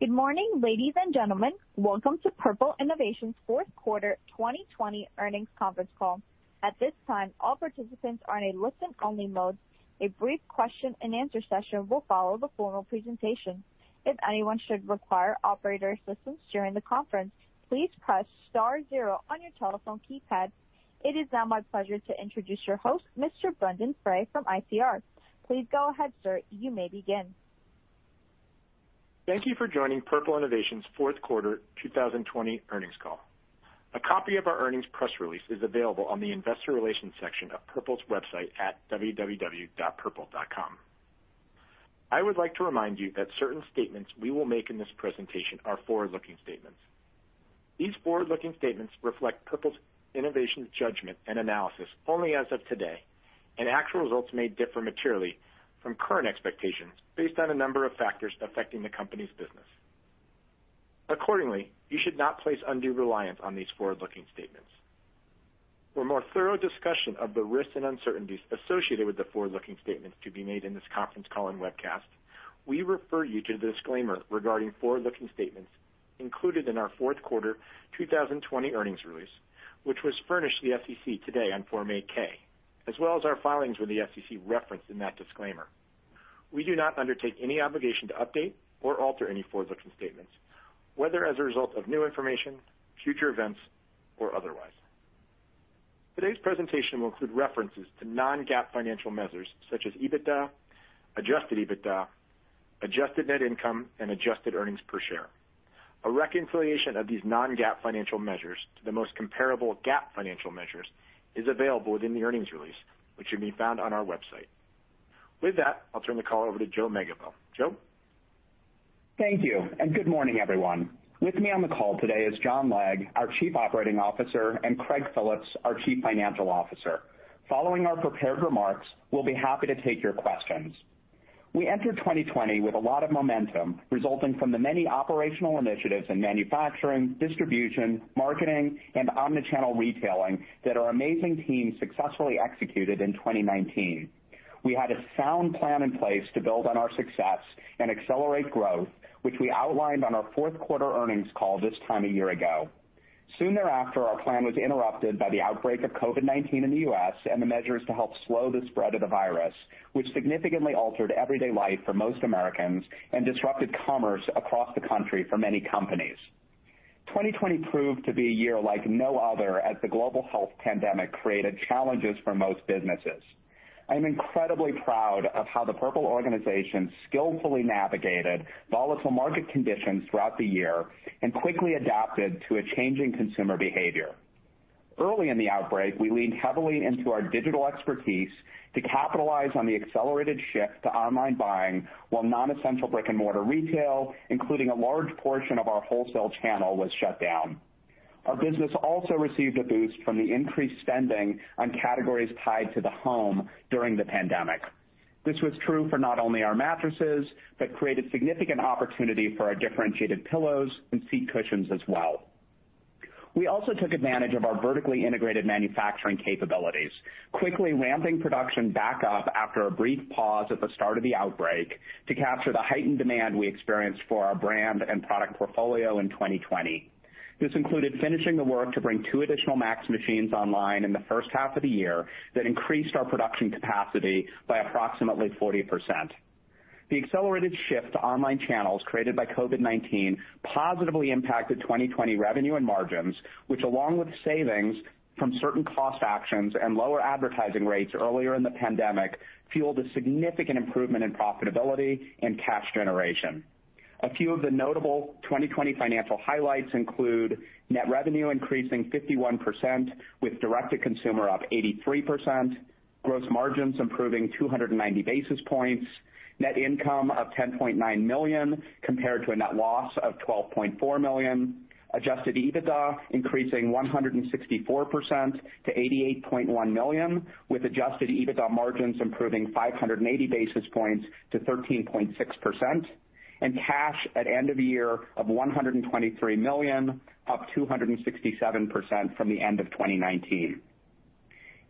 Good morning, ladies and gentlemen. Welcome to Purple Innovation's Fourth Quarter 2020 Earnings Conference Call. At this time, all participants are in a listen-only mode. A brief question and answer session will follow the formal presentation. If anyone should require operator assistance during the conference, please press star zero on your telephone keypad. It is now my pleasure to introduce your host, Mr. Brendon Frey from ICR. Please go ahead, Sir. You may begin. Thank you for joining Purple Innovation's Fourth Quarter 2020 Earnings Call. A copy of our earnings press release is available on the investor relations section of Purple's website at www.purple.com. I would like to remind you that certain statements we will make in this presentation are forward-looking statements. These forward-looking statements reflect Purple Innovation's judgment and analysis only as of today, and actual results may differ materially from current expectations based on a number of factors affecting the company's business. Accordingly, you should not place undue reliance on these forward-looking statements. For a more thorough discussion of the risks and uncertainties associated with the forward-looking statements to be made in this conference call and webcast, we refer you to the disclaimer regarding forward-looking statements included in our fourth quarter 2020 earnings release, which was furnished to the SEC today on Form 8-K, as well as our filings with the SEC referenced in that disclaimer. We do not undertake any obligation to update or alter any forward-looking statements, whether as a result of new information, future events, or otherwise. Today's presentation will include references to non-GAAP financial measures such as EBITDA, adjusted EBITDA, adjusted net income, and adjusted earnings per share. A reconciliation of these non-GAAP financial measures to the most comparable GAAP financial measures is available within the earnings release, which can be found on our website. With that, I'll turn the call over to Joe Megibow. Joe? Thank you, and good morning, everyone. With me on the call today is John Legg, our Chief Operating Officer, and Craig Phillips, our Chief Financial Officer. Following our prepared remarks, we'll be happy to take your questions. We entered 2020 with a lot of momentum resulting from the many operational initiatives in manufacturing, distribution, marketing, and omni-channel retailing that our amazing team successfully executed in 2019. We had a sound plan in place to build on our success and accelerate growth, which we outlined on our fourth quarter earnings call this time a year ago. Soon thereafter, our plan was interrupted by the outbreak of COVID-19 in the U.S. and the measures to help slow the spread of the virus, which significantly altered everyday life for most Americans and disrupted commerce across the country for many companies. 2020 proved to be a year like no other as the global health pandemic created challenges for most businesses. I am incredibly proud of how the Purple organization skillfully navigated volatile market conditions throughout the year and quickly adapted to a changing consumer behavior. Early in the outbreak, we leaned heavily into our digital expertise to capitalize on the accelerated shift to online buying while non-essential brick-and-mortar retail, including a large portion of our wholesale channel, was shut down. Our business also received a boost from the increased spending on categories tied to the home during the pandemic. This was true for not only our mattresses, but created significant opportunity for our differentiated pillows and seat cushions as well. We also took advantage of our vertically integrated manufacturing capabilities, quickly ramping production back up after a brief pause at the start of the outbreak to capture the heightened demand we experienced for our brand and product portfolio in 2020. This included finishing the work to bring two additional MAX machines online in the first half of the year that increased our production capacity by approximately 40%. The accelerated shift to online channels created by COVID-19 positively impacted 2020 revenue and margins, which, along with savings from certain cost actions and lower advertising rates earlier in the pandemic, fueled a significant improvement in profitability and cash generation. A few of the notable 2020 financial highlights include net revenue increasing 51%, with direct-to-consumer up 83%, gross margins improving 290 basis points, net income of $10.9 million compared to a net loss of $12.4 million, adjusted EBITDA increasing 164% to $88.1 million, with adjusted EBITDA margins improving 580 basis points to 13.6%, and cash at end of year of $123 million, up 267% from the end of 2019.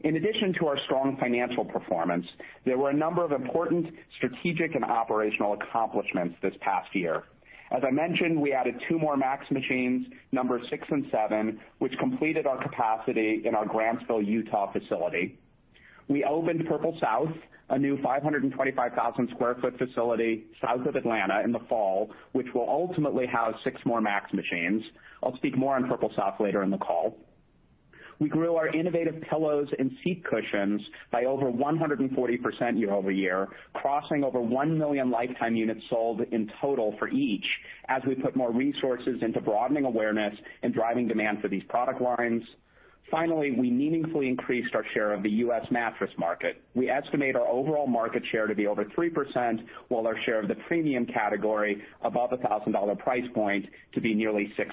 In addition to our strong financial performance, there were a number of important strategic and operational accomplishments this past year. As I mentioned, we added two more MAX machines, numbers six and seven, which completed our capacity in our Grantsville, Utah facility. We opened Purple South, a new 525,000 sq ft facility south of Atlanta in the fall, which will ultimately house six more MAX machines. I'll speak more on Purple South later in the call. We grew our innovative pillows and seat cushions by over 140% year-over-year, crossing over 1 million lifetime units sold in total for each as we put more resources into broadening awareness and driving demand for these product lines. Finally, we meaningfully increased our share of the U.S. mattress market. We estimate our overall market share to be over 3%, while our share of the premium category above $1,000 price point to be nearly 6%.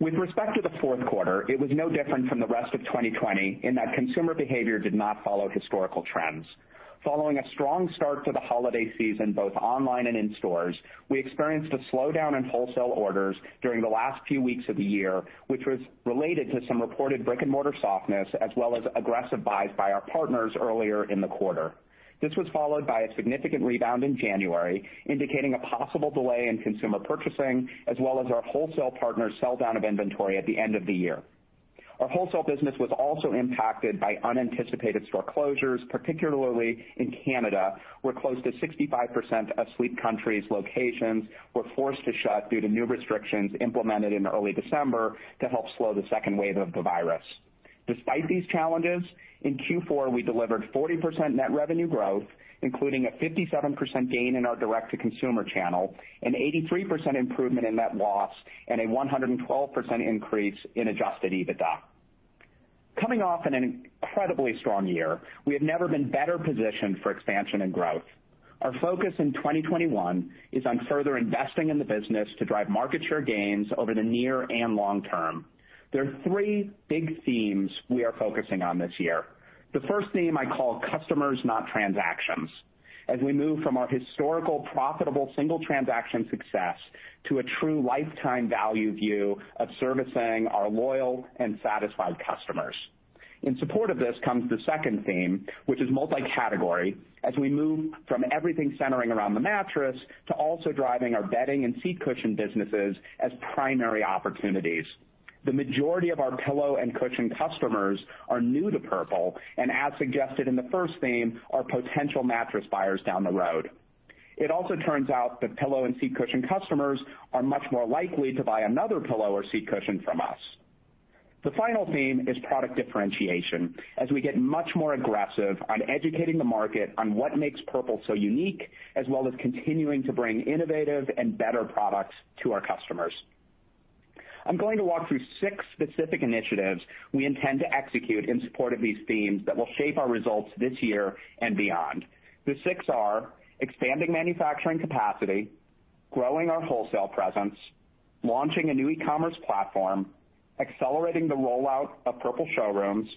With respect to the fourth quarter, it was no different from the rest of 2020 in that consumer behavior did not follow historical trends. Following a strong start to the holiday season, both online and in stores, we experienced a slowdown in wholesale orders during the last few weeks of the year, which was related to some reported brick-and-mortar softness, as well as aggressive buys by our partners earlier in the quarter. This was followed by a significant rebound in January, indicating a possible delay in consumer purchasing, as well as our wholesale partners' sell-down of inventory at the end of the year. Our wholesale business was also impacted by unanticipated store closures, particularly in Canada, where close to 65% of Sleep Country's locations were forced to shut due to new restrictions implemented in early December to help slow the second wave of the virus. Despite these challenges, in Q4, we delivered 40% net revenue growth, including a 57% gain in our direct-to-consumer channel, an 83% improvement in net loss, and a 112% increase in adjusted EBITDA. Coming off an incredibly strong year, we have never been better positioned for expansion and growth. Our focus in 2021 is on further investing in the business to drive market share gains over the near and long term. There are three big themes we are focusing on this year. The first theme I call customers, not transactions, as we move from our historical profitable single transaction success to a true lifetime value view of servicing our loyal and satisfied customers. In support of this comes the second theme, which is multi-category, as we move from everything centering around the mattress to also driving our bedding and seat cushion businesses as primary opportunities. The majority of our pillow and cushion customers are new to Purple, and as suggested in the first theme, are potential mattress buyers down the road. It also turns out that pillow and seat cushion customers are much more likely to buy another pillow or seat cushion from us. The final theme is product differentiation, as we get much more aggressive on educating the market on what makes Purple so unique, as well as continuing to bring innovative and better products to our customers. I'm going to walk through six specific initiatives we intend to execute in support of these themes that will shape our results this year and beyond. The six are expanding manufacturing capacity, growing our wholesale presence, launching a new e-commerce platform, accelerating the rollout of Purple show rooms,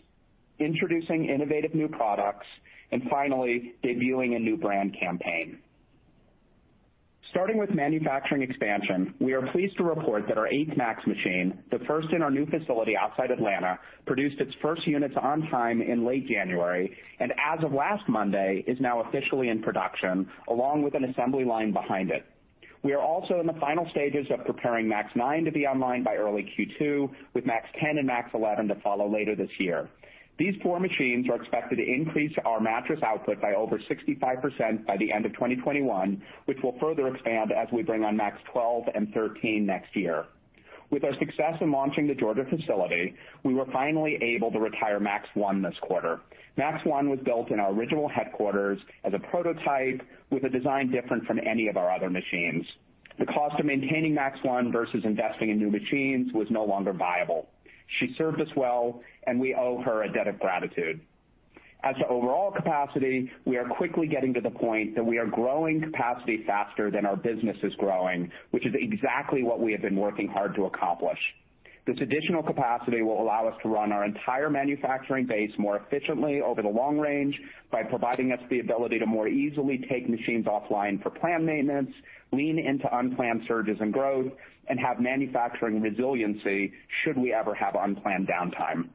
introducing innovative new products, and finally, debuting a new brand campaign. Starting with manufacturing expansion, we are pleased to report that our eighth MAX machine, the first in our new facility outside Atlanta, produced its first units on time in late January, and as of last Monday, is now officially in production, along with an assembly line behind it. We are also in the final stages of preparing MAX nine to be online by early Q2, with MAX 10 and MAX 11 to follow later this year. These four machines are expected to increase our mattress output by over 65% by the end of 2021, which will further expand as we bring on MAX 12 and 13 next year. With our success in launching the Georgia facility, we were finally able to retire MAX one this quarter. MAX one was built in our original headquarters as a prototype with a design different from any of our other machines. The cost of maintaining MAX one versus investing in new machines was no longer viable. She served us well, and we owe her a debt of gratitude. As to overall capacity, we are quickly getting to the point that we are growing capacity faster than our business is growing, which is exactly what we have been working hard to accomplish. This additional capacity will allow us to run our entire manufacturing base more efficiently over the long range by providing us the ability to more easily take machines offline for planned maintenance, lean into unplanned surges in growth, and have manufacturing resiliency should we ever have unplanned downtime.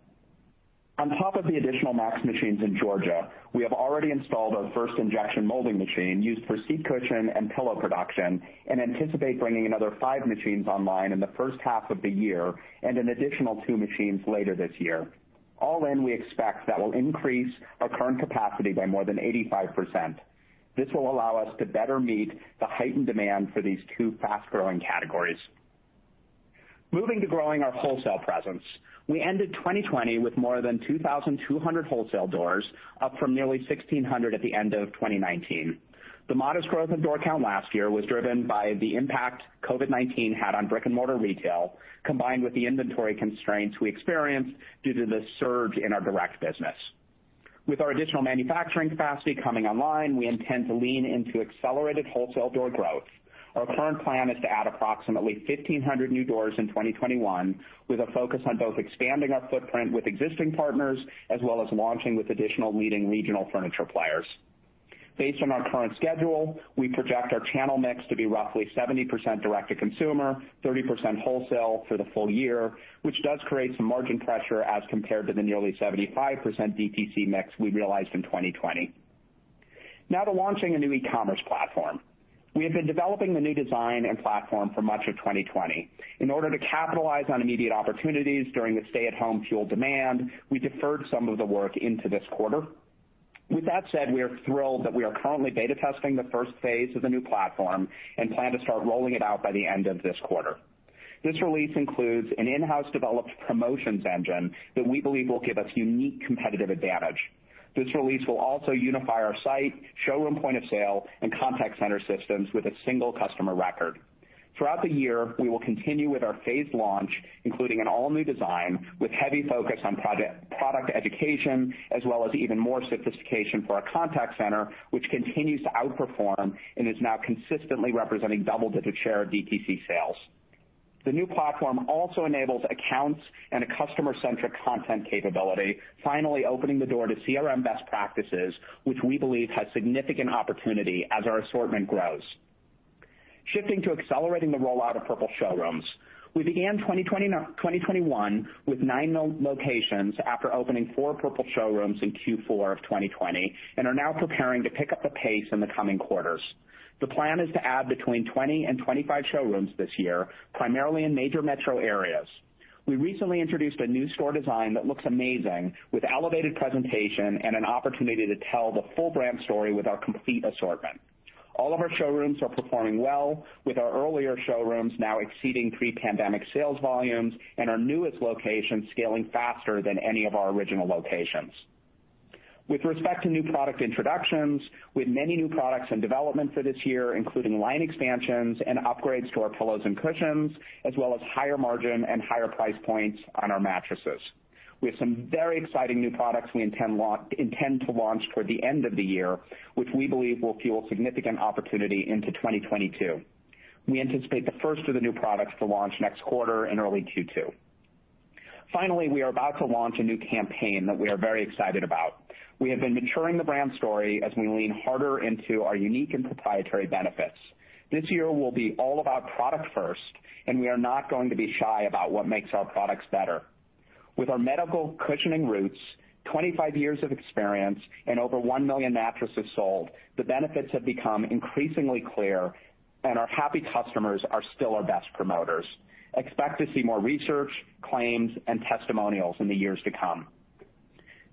On top of the additional MAX machines in Georgia, we have already installed our first injection molding machine used for seat cushion and pillow production, and anticipate bringing another five machines online in the first half of the year and an additional two machines later this year. All in, we expect that will increase our current capacity by more than 85%. This will allow us to better meet the heightened demand for these two fast-growing categories. Moving to growing our wholesale presence, we ended 2020 with more than 2,200 wholesale doors, up from nearly 1,600 at the end of 2019. The modest growth in door count last year was driven by the impact COVID-19 had on brick-and-mortar retail, combined with the inventory constraints we experienced due to the surge in our direct business. With our additional manufacturing capacity coming online, we intend to lean into accelerated wholesale door growth. Our current plan is to add approximately 1,500 new doors in 2021, with a focus on both expanding our footprint with existing partners as well as launching with additional leading regional furniture players. Based on our current schedule, we project our channel mix to be roughly 70% direct-to-consumer, 30% wholesale for the full year, which does create some margin pressure as compared to the nearly 75% DTC mix we realized in 2020. Now to launching a new e-commerce platform. We have been developing the new design and platform for much of 2020. In order to capitalize on immediate opportunities during the stay-at-home fueled demand, we deferred some of the work into this quarter. With that said, we are thrilled that we are currently beta testing the first phase of the new platform and plan to start rolling it out by the end of this quarter. This release includes an in-house developed promotions engine that we believe will give us unique competitive advantage. This release will also unify our site, showroom point of sale, and contact center systems with a single customer record. Throughout the year, we will continue with our phased launch, including an all-new design with heavy focus on product education, as well as even more sophistication for our contact center, which continues to outperform and is now consistently representing double-digit share of DTC sales. The new platform also enables accounts and a customer-centric content capability, finally opening the door to CRM best practices, which we believe has significant opportunity as our assortment grows. Shifting to accelerating the rollout of Purple showrooms. We began 2021 with nine locations after opening four Purple showrooms in Q4 of 2020, and are now preparing to pick up the pace in the coming quarters. The plan is to add between 20 and 25 showrooms this year, primarily in major metro areas. We recently introduced a new store design that looks amazing, with elevated presentation and an opportunity to tell the full brand story with our complete assortment. All of our showrooms are performing well, with our earlier showrooms now exceeding pre-pandemic sales volumes, and our newest locations scaling faster than any of our original locations. With respect to new product introductions, we have many new products in development for this year, including line expansions and upgrades to our pillows and cushions, as well as higher margin and higher price points on our mattresses. We have some very exciting new products we intend to launch toward the end of the year, which we believe will fuel significant opportunity into 2022. We anticipate the first of the new products to launch next quarter in early Q2. Finally, we are about to launch a new campaign that we are very excited about. We have been maturing the brand story as we lean harder into our unique and proprietary benefits. This year will be all about product first, and we are not going to be shy about what makes our products better. With our medical cushioning roots, 25 years of experience, and over 1 million mattresses sold, the benefits have become increasingly clear, and our happy customers are still our best promoters. Expect to see more research, claims, and testimonials in the years to come.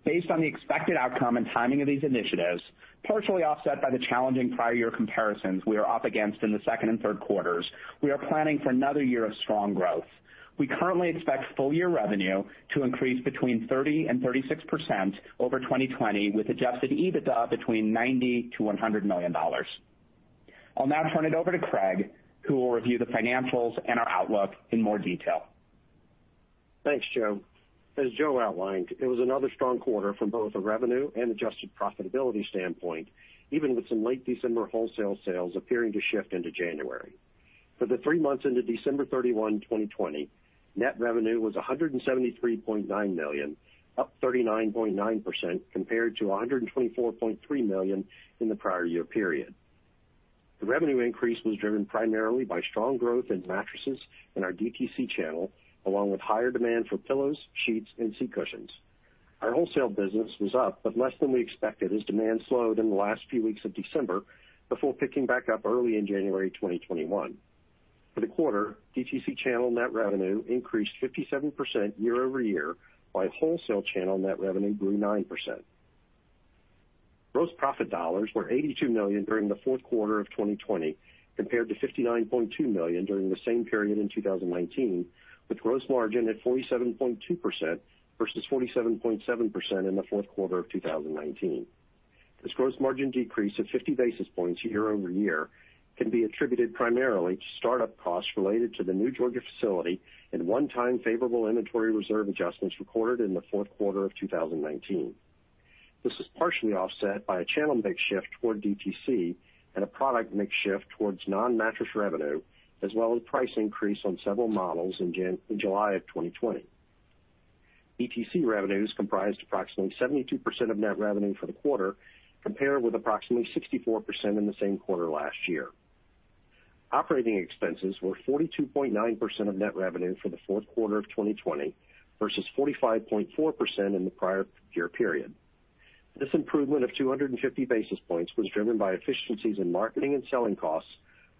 Based on the expected outcome and timing of these initiatives, partially offset by the challenging prior year comparisons we are up against in the second and third quarters, we are planning for another year of strong growth. We currently expect full year revenue to increase between 30% and 36% over 2020, with adjusted EBITDA between $90 million-$100 million. I'll now turn it over to Craig, who will review the financials and our outlook in more detail. Thanks, Joe. As Joe outlined, it was another strong quarter from both a revenue and adjusted profitability standpoint, even with some late December wholesale sales appearing to shift into January. For the three months ended December 31, 2020, net revenue was $173.9 million, up 39.9%, compared to $124.3 million in the prior year period. The revenue increase was driven primarily by strong growth in mattresses in our DTC channel, along with higher demand for pillows, sheets, and seat cushions. Our wholesale business was up, but less than we expected, as demand slowed in the last few weeks of December before picking back up early in January 2021. For the quarter, DTC channel net revenue increased 57% year-over-year, while wholesale channel net revenue grew 9%. Gross profit dollars were $82 million during the fourth quarter of 2020, compared to $59.2 million during the same period in 2019, with gross margin at 47.2% versus 47.7% in the fourth quarter of 2019. This gross margin decrease of 50 basis points year-over-year can be attributed primarily to start-up costs related to the new Georgia facility and one-time favorable inventory reserve adjustments recorded in the fourth quarter of 2019. This was partially offset by a channel mix shift toward DTC and a product mix shift towards non-mattress revenue, as well as a price increase on several models in July of 2020. DTC revenues comprised approximately 72% of net revenue for the quarter, compared with approximately 64% in the same quarter last year. Operating expenses were 42.9% of net revenue for the fourth quarter of 2020 versus 45.4% in the prior year period. This improvement of 250 basis points was driven by efficiencies in marketing and selling costs,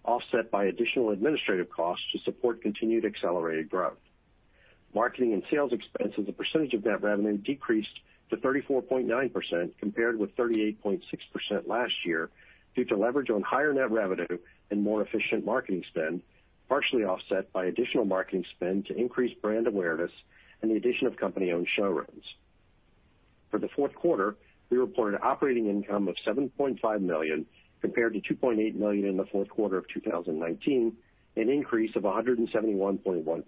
offset by additional administrative costs to support continued accelerated growth. Marketing and sales expense as a percentage of net revenue decreased to 34.9%, compared with 38.6% last year, due to leverage on higher net revenue and more efficient marketing spend, partially offset by additional marketing spend to increase brand awareness and the addition of company-owned showrooms. For the fourth quarter, we reported operating income of $7.5 million, compared to $2.8 million in the fourth quarter of 2019, an increase of 171.1%.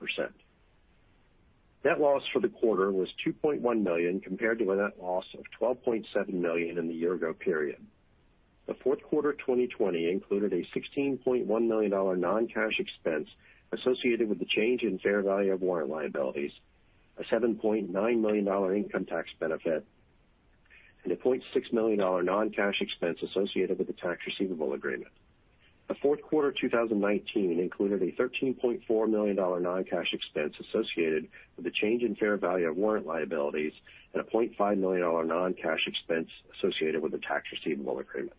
Net loss for the quarter was $2.1 million, compared to a net loss of $12.7 million in the year-ago period. The fourth quarter 2020 included a $16.1 million non-cash expense associated with the change in fair value of warrant liabilities, a $7.9 million income tax benefit, and a $0.6 million non-cash expense associated with the tax receivable agreement. The fourth quarter 2019 included a $13.4 million non-cash expense associated with the change in fair value of warrant liabilities and a $0.5 million non-cash expense associated with the tax receivable agreement.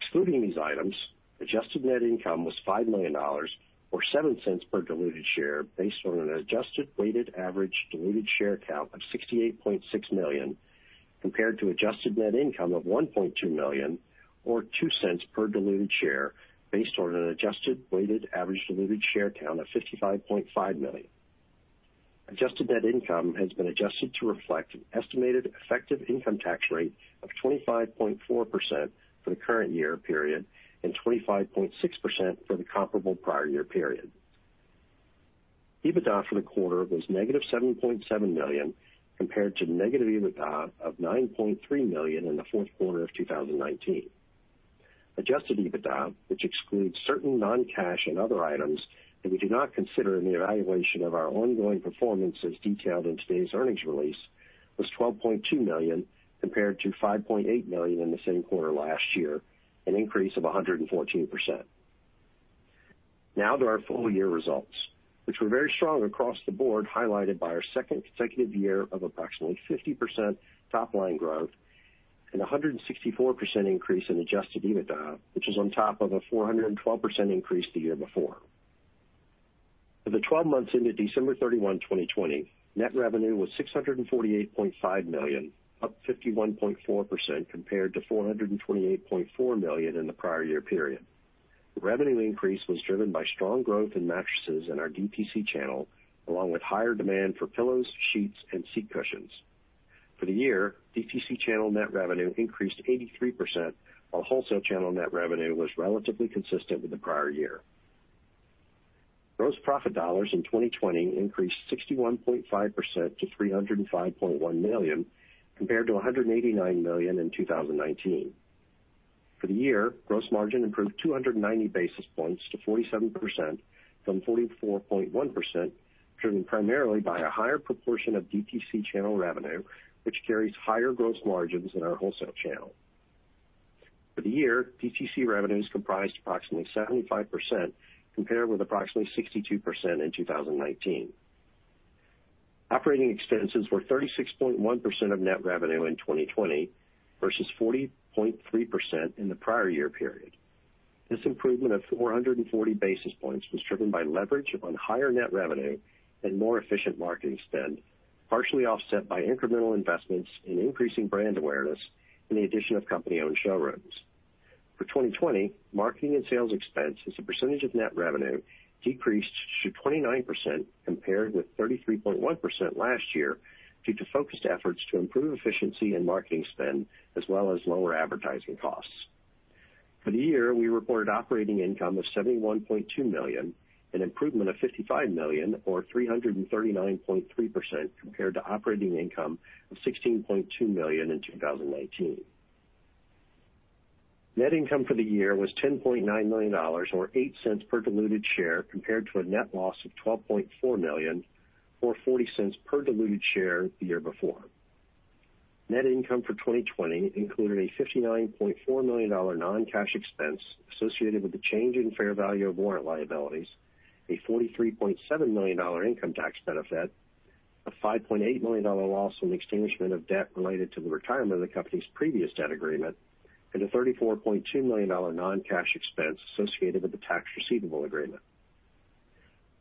Excluding these items, adjusted net income was $5 million, or $0.07 per diluted share based on an adjusted weighted average diluted share count of 68.6 million, compared to adjusted net income of $1.2 million, or $0.02 per diluted share based on an adjusted weighted average diluted share count of 55.5 million. Adjusted net income has been adjusted to reflect an estimated effective income tax rate of 25.4% for the current year period and 25.6% for the comparable prior year period. EBITDA for the quarter was negative $7.7 million, compared to negative EBITDA of $9.3 million in the fourth quarter of 2019. Adjusted EBITDA, which excludes certain non-cash and other items that we do not consider in the evaluation of our ongoing performance as detailed in today's earnings release, was $12.2 million, compared to $5.8 million in the same quarter last year, an increase of 114%. Now to our full year results, which were very strong across the board, highlighted by our second consecutive year of approximately 50% top-line growth and 164% increase in adjusted EBITDA, which is on top of a 412% increase the year before. For the 12 months ended December 31, 2020, net revenue was $648.5 million, up 51.4% compared to $428.4 million in the prior year period. The revenue increase was driven by strong growth in mattresses in our DTC channel, along with higher demand for pillows, sheets, and seat cushions. For the year, DTC channel net revenue increased 83%, while wholesale channel net revenue was relatively consistent with the prior year. Gross profit dollars in 2020 increased 61.5% to $305.1 million, compared to $189 million in 2019. For the year, gross margin improved 290 basis points to 47% from 44.1%, driven primarily by a higher proportion of DTC channel revenue, which carries higher gross margins than our wholesale channel. For the year, DTC revenues comprised approximately 75%, compared with approximately 62% in 2019. Operating expenses were 36.1% of net revenue in 2020 versus 40.3% in the prior year period. This improvement of 440 basis points was driven by leverage on higher net revenue and more efficient marketing spend, partially offset by incremental investments in increasing brand awareness and the addition of company-owned showrooms. For 2020, marketing and sales expense as a percentage of net revenue decreased to 29%, compared with 33.1% last year, due to focused efforts to improve efficiency and marketing spend, as well as lower advertising costs. For the year, we reported operating income of $71.2 million, an improvement of $55 million or 339.3%, compared to operating income of $16.2 million in 2019. Net income for the year was $10.9 million, or $0.08 per diluted share, compared to a net loss of $12.4 million, or $0.40 per diluted share, the year before. Net income for 2020 included a $59.4 million non-cash expense associated with the change in fair value of warrant liabilities, a $43.7 million income tax benefit, a $5.8 million loss on the extinguishment of debt related to the retirement of the company's previous debt agreement, and a $34.2 million non-cash expense associated with the tax receivable agreement.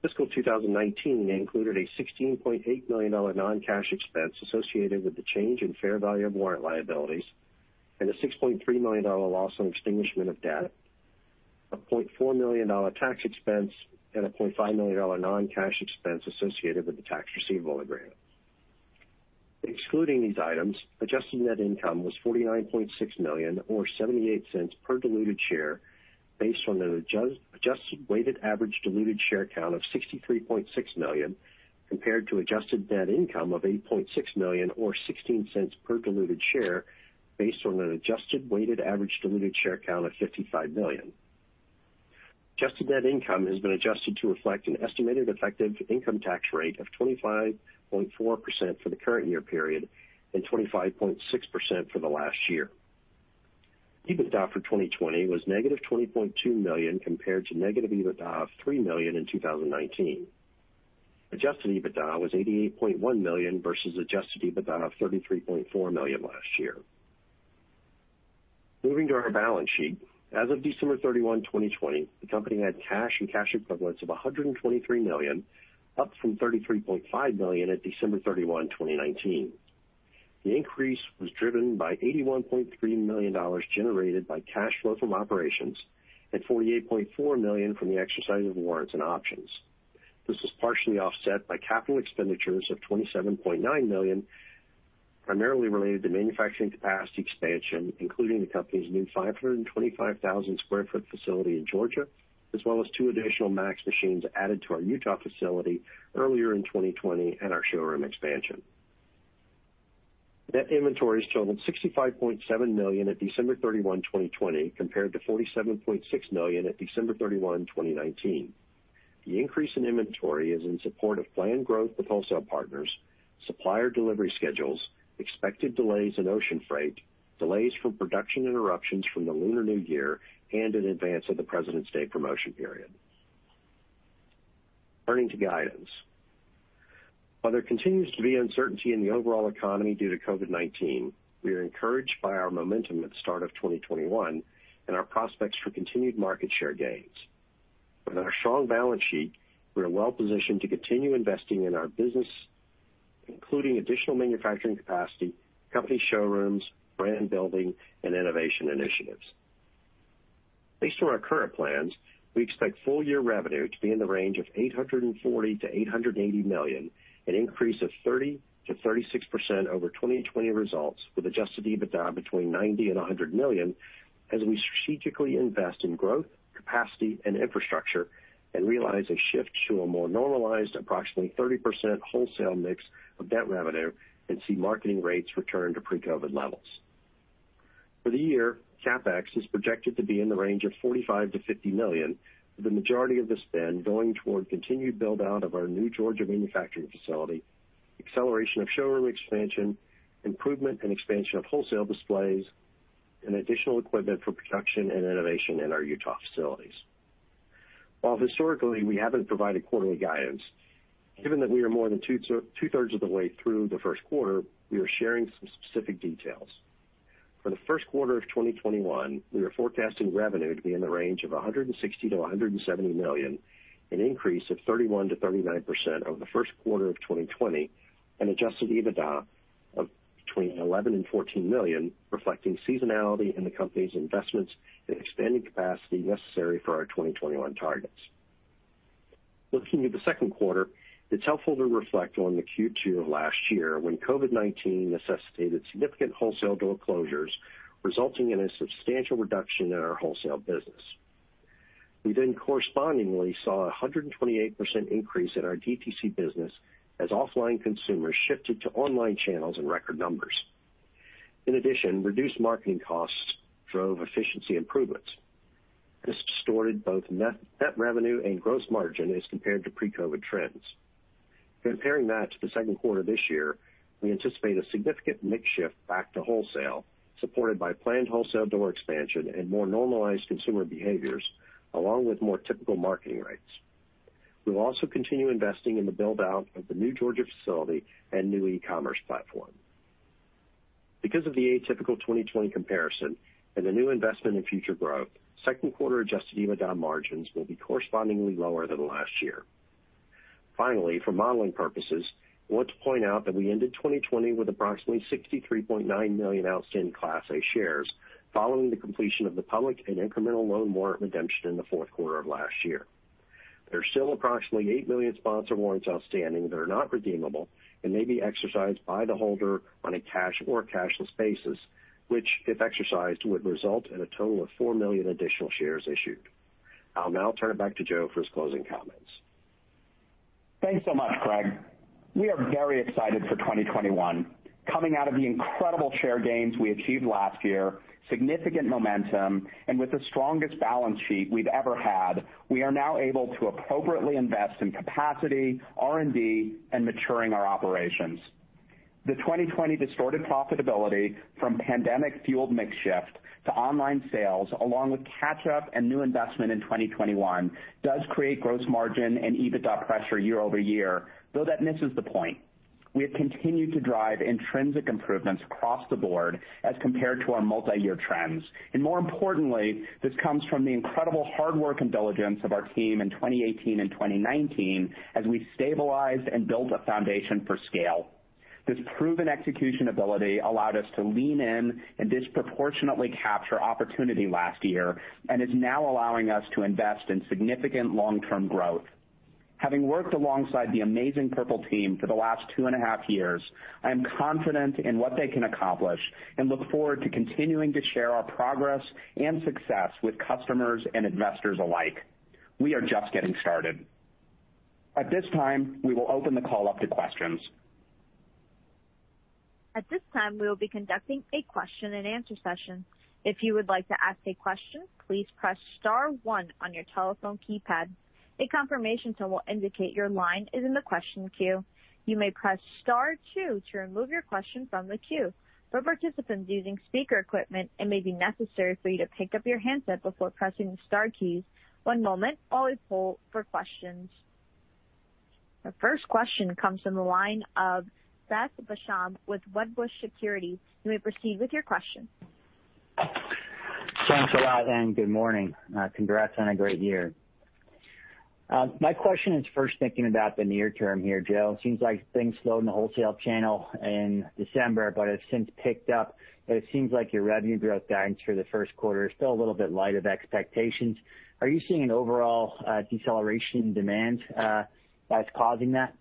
Fiscal 2019 included a $16.8 million non-cash expense associated with the change in fair value of warrant liabilities, and a $6.3 million loss on extinguishment of debt, a $0.4 million tax expense, and a $0.5 million non-cash expense associated with the tax receivable agreement. Excluding these items, adjusted net income was $49.6 million or $0.78 per diluted share based on an adjusted weighted average diluted share count of 63.6 million, compared to adjusted net income of $8.6 million or $0.16 per diluted share based on an adjusted weighted average diluted share count of 55 million. Adjusted net income has been adjusted to reflect an estimated effective income tax rate of 25.4% for the current year period and 25.6% for the last year. EBITDA for 2020 was -$20.2 million compared to negative EBITDA of $3 million in 2019. Adjusted EBITDA was $88.1 million versus adjusted EBITDA of $33.4 million last year. Moving to our balance sheet. As of December 31, 2020, the company had cash and cash equivalents of $123 million, up from $33.5 million at December 31, 2019. The increase was driven by $81.3 million generated by cash flow from operations and $48.4 million from the exercise of warrants and options. This was partially offset by capital expenditures of $27.9 million, primarily related to manufacturing capacity expansion, including the company's new 525,000 sq ft facility in Georgia, as well as two additional Max machines added to our Utah facility earlier in 2020 and our showroom expansion. Net inventories totaled $65.7 million at December 31, 2020, compared to $47.6 million at December 31, 2019. The increase in inventory is in support of planned growth with wholesale partners, supplier delivery schedules, expected delays in ocean freight, delays from production interruptions from the Lunar New Year, and in advance of the Presidents' Day promotion period. Turning to guidance. While there continues to be uncertainty in the overall economy due to COVID-19, we are encouraged by our momentum at the start of 2021 and our prospects for continued market share gains. With our strong balance sheet, we are well positioned to continue investing in our business, including additional manufacturing capacity, company showrooms, brand building, and innovation initiatives. Based on our current plans, we expect full year revenue to be in the range of $840 million-$880 million, an increase of 30%-36% over 2020 results, with adjusted EBITDA between $90 million and $100 million, as we strategically invest in growth, capacity, and infrastructure and realize a shift to a more normalized approximately 30% wholesale mix of net revenue and see marketing rates return to pre-COVID levels. For the year, CapEx is projected to be in the range of $45 million-$50 million, with the majority of the spend going toward continued build-out of our new Georgia manufacturing facility, acceleration of showroom expansion, improvement and expansion of wholesale displays in additional equipment for production and innovation in our Utah facilities. While historically, we haven't provided quarterly guidance, given that we are more than 2/3 of the way through the first quarter, we are sharing some specific details. For the first quarter of 2021, we are forecasting revenue to be in the range of $160 million-$170 million, an increase of 31%-39% over the first quarter of 2020, and adjusted EBITDA of between $11 million and $14 million, reflecting seasonality in the company's investments in expanding capacity necessary for our 2021 targets. Looking at the second quarter, it's helpful to reflect on the Q2 of last year, when COVID-19 necessitated significant wholesale door closures, resulting in a substantial reduction in our wholesale business. We then correspondingly saw 128% increase in our DTC business as offline consumers shifted to online channels in record numbers. In addition, reduced marketing costs drove efficiency improvements. This distorted both net revenue and gross margin as compared to pre-COVID trends. Comparing that to the second quarter this year, we anticipate a significant mix shift back to wholesale, supported by planned wholesale door expansion and more normalized consumer behaviors, along with more typical marketing rates. We will also continue investing in the build-out of the new Georgia facility and new e-commerce platform. Because of the atypical 2020 comparison and the new investment in future growth, second quarter adjusted EBITDA margins will be correspondingly lower than last year. Finally, for modeling purposes, I want to point out that we ended 2020 with approximately 63.9 million outstanding Class A shares following the completion of the public and incremental loan warrant redemption in the fourth quarter of last year. There are still approximately 8 million sponsor warrants outstanding that are not redeemable and may be exercised by the holder on a cash or cashless basis, which, if exercised, would result in a total of 4 million additional shares issued. I'll now turn it back to Joe for his closing comments. Thanks so much, Craig. We are very excited for 2021. Coming out of the incredible share gains we achieved last year, significant momentum, and with the strongest balance sheet we've ever had, we are now able to appropriately invest in capacity, R&D, and maturing our operations. The 2020 distorted profitability from pandemic-fueled mix shift to online sales, along with catch-up and new investment in 2021, does create gross margin and EBITDA pressure year-over-year, though that misses the point. We have continued to drive intrinsic improvements across the board as compared to our multi-year trends. More importantly, this comes from the incredible hard work and diligence of our team in 2018 and 2019 as we stabilized and built a foundation for scale. This proven execution ability allowed us to lean in and disproportionately capture opportunity last year and is now allowing us to invest in significant long-term growth. Having worked alongside the amazing Purple team for the last 2.5 years, I am confident in what they can accomplish and look forward to continuing to share our progress and success with customers and investors alike. We are just getting started. At this time, we will open the call up to questions. At this time, we will be conducting a question-and-answer session. If you would like to ask a question, please press star one on your telephone keypad. A confirmation tone indicate your line is on the question queue. You may press star two to remove your question from the queue. All participants using speaker equipment and may be necessary to pick up your handset before pressing the star key. One moment while we poll for questions. The first question comes from the line of Seth Basham with Wedbush Securities. You may proceed with your question. Thanks a lot, good morning. Congrats on a great year. My question is first thinking about the near term here, Joe. Seems like things slowed in the wholesale channel in December, have since picked up. It seems like your revenue growth guidance for the first quarter is still a little bit light of expectations. Are you seeing an overall deceleration in demand that's causing that?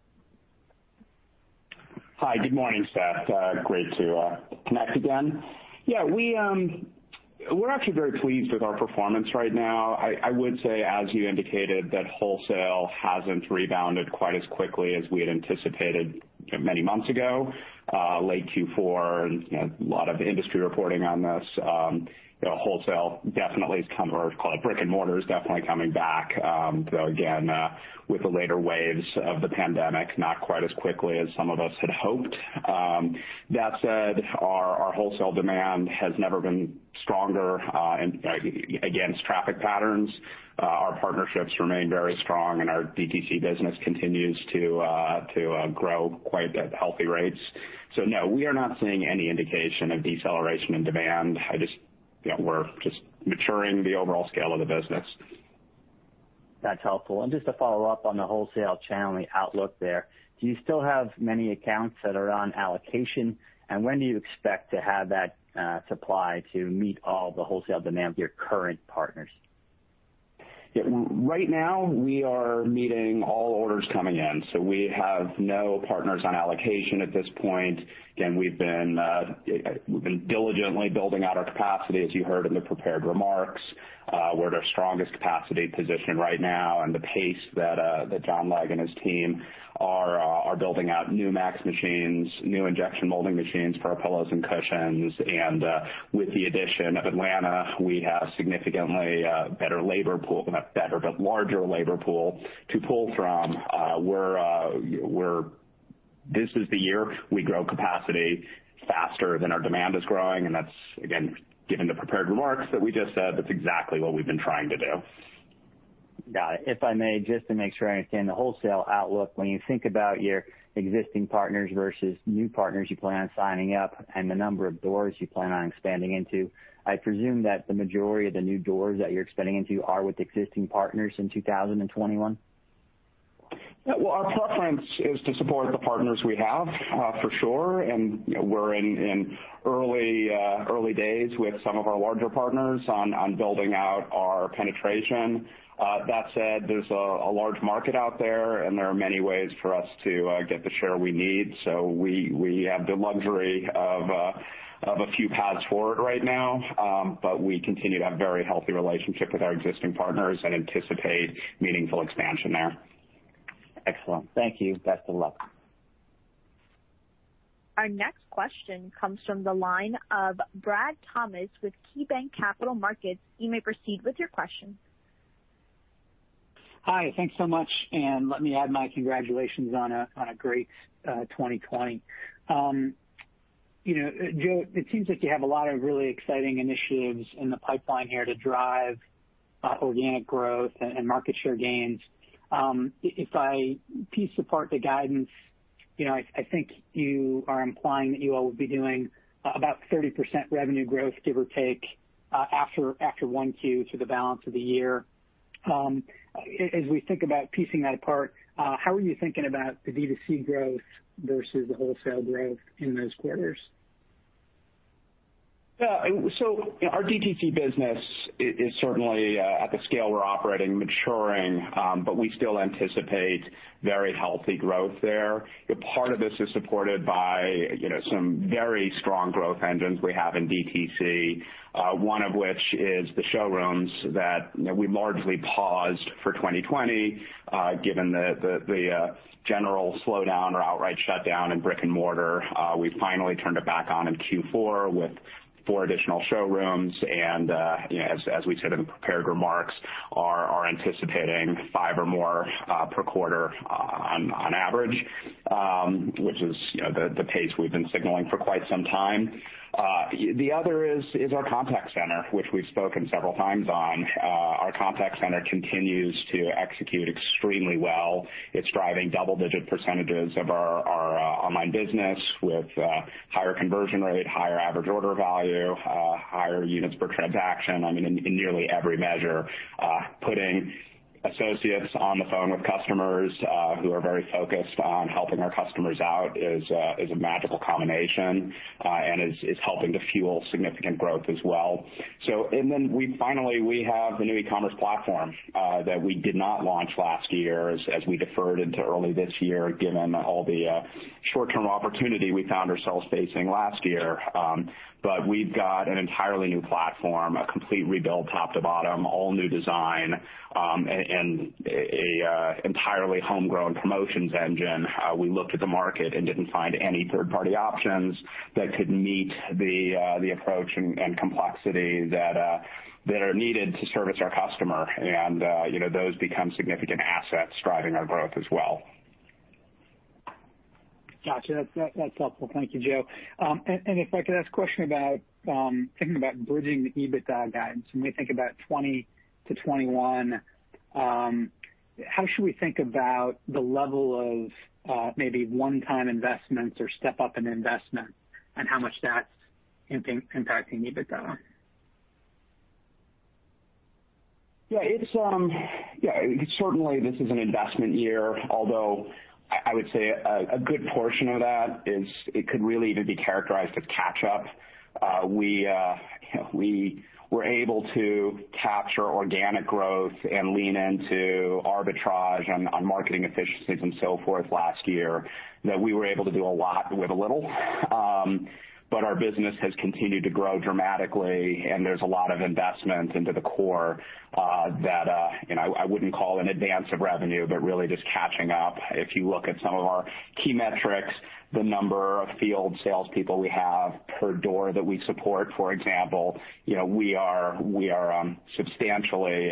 Hi, good morning, Seth. Great to connect again. Yeah, we're actually very pleased with our performance right now. I would say, as you indicated, that wholesale hasn't rebounded quite as quickly as we had anticipated many months ago. Late Q4, a lot of industry reporting on this. Wholesale definitely has come, or call it brick and mortar, is definitely coming back. Though, again, with the later waves of the pandemic, not quite as quickly as some of us had hoped. That said, our wholesale demand has never been stronger against traffic patterns. Our partnerships remain very strong, and our DTC business continues to grow quite at healthy rates. No, we are not seeing any indication of deceleration in demand. We're just maturing the overall scale of the business. That's helpful. Just to follow up on the wholesale channel and the outlook there, do you still have many accounts that are on allocation? When do you expect to have that supply to meet all the wholesale demand of your current partners? Right now, we are meeting all orders coming in. We have no partners on allocation at this point. Again, we've been diligently building out our capacity, as you heard in the prepared remarks. We're at our strongest capacity position right now and the pace that John Legg and his team are building out new Max machines, new injection molding machines for our pillows and cushions. With the addition of Atlanta, we have significantly better labor pool, not better, but larger labor pool to pull from. This is the year we grow capacity faster than our demand is growing, that's again, given the prepared remarks that we just said, that's exactly what we've been trying to do. Got it. If I may, just to make sure I understand the wholesale outlook, when you think about your existing partners versus new partners you plan on signing up and the number of doors you plan on expanding into, I presume that the majority of the new doors that you're expanding into are with existing partners in 2021? Yeah. Well, our preference is to support the partners we have, for sure, and we're in early days with some of our larger partners on building out our penetration. That said, there's a large market out there, and there are many ways for us to get the share we need. We have the luxury of a few paths forward right now, but we continue to have very healthy relationship with our existing partners and anticipate meaningful expansion there. Excellent. Thank you. Best of luck. Our next question comes from the line of Brad Thomas with KeyBanc Capital Markets. You may proceed with your question. Hi. Thanks so much. Let me add my congratulations on a great 2020. Joe, it seems like you have a lot of really exciting initiatives in the pipeline here to drive organic growth and market share gains. If I piece apart the guidance, I think you are implying that you all will be doing about 30% revenue growth, give or take, after 1Q through the balance of the year. As we think about piecing that apart, how are you thinking about the D2C growth versus the wholesale growth in those quarters? Our DTC business is certainly, at the scale we're operating, maturing, but we still anticipate very healthy growth there. Part of this is supported by some very strong growth engines we have in DTC. One of which is the showrooms that we largely paused for 2020, given the general slowdown or outright shutdown in brick and mortar. We finally turned it back on in Q4 with four additional showrooms and, as we said in the prepared remarks, are anticipating five or more per quarter on average, which is the pace we've been signaling for quite some time. The other is our contact center, which we've spoken several times on. Our contact center continues to execute extremely well. It's driving double-digit percentage of our online business with higher conversion rate, higher average order value, higher units per transaction, in nearly every measure. Putting associates on the phone with customers, who are very focused on helping our customers out is a magical combination, and is helping to fuel significant growth as well. Finally, we have the new e-commerce platform that we did not launch last year, as we deferred into early this year, given all the short-term opportunity we found ourselves facing last year. We've got an entirely new platform, a complete rebuild top to bottom, all new design, and a entirely homegrown promotions engine. We looked at the market and didn't find any third-party options that could meet the approach and complexity that are needed to service our customer and those become significant assets driving our growth as well. Got you. That's helpful. Thank you, Joe. If I could ask a question about thinking about bridging the EBITDA guidance, when we think about 2020-2021, how should we think about the level of maybe one-time investments or step-up in investment, and how much that's impacting EBITDA? Yeah. Certainly, this is an investment year, although I would say a good portion of that, it could really either be characterized as catch-up. We were able to capture organic growth and lean into arbitrage on marketing efficiencies and so forth last year, that we were able to do a lot with a little. Our business has continued to grow dramatically, and there's a lot of investment into the core that I wouldn't call an advance of revenue, but really just catching up. If you look at some of our key metrics, the number of field salespeople we have per door that we support, for example. We are substantially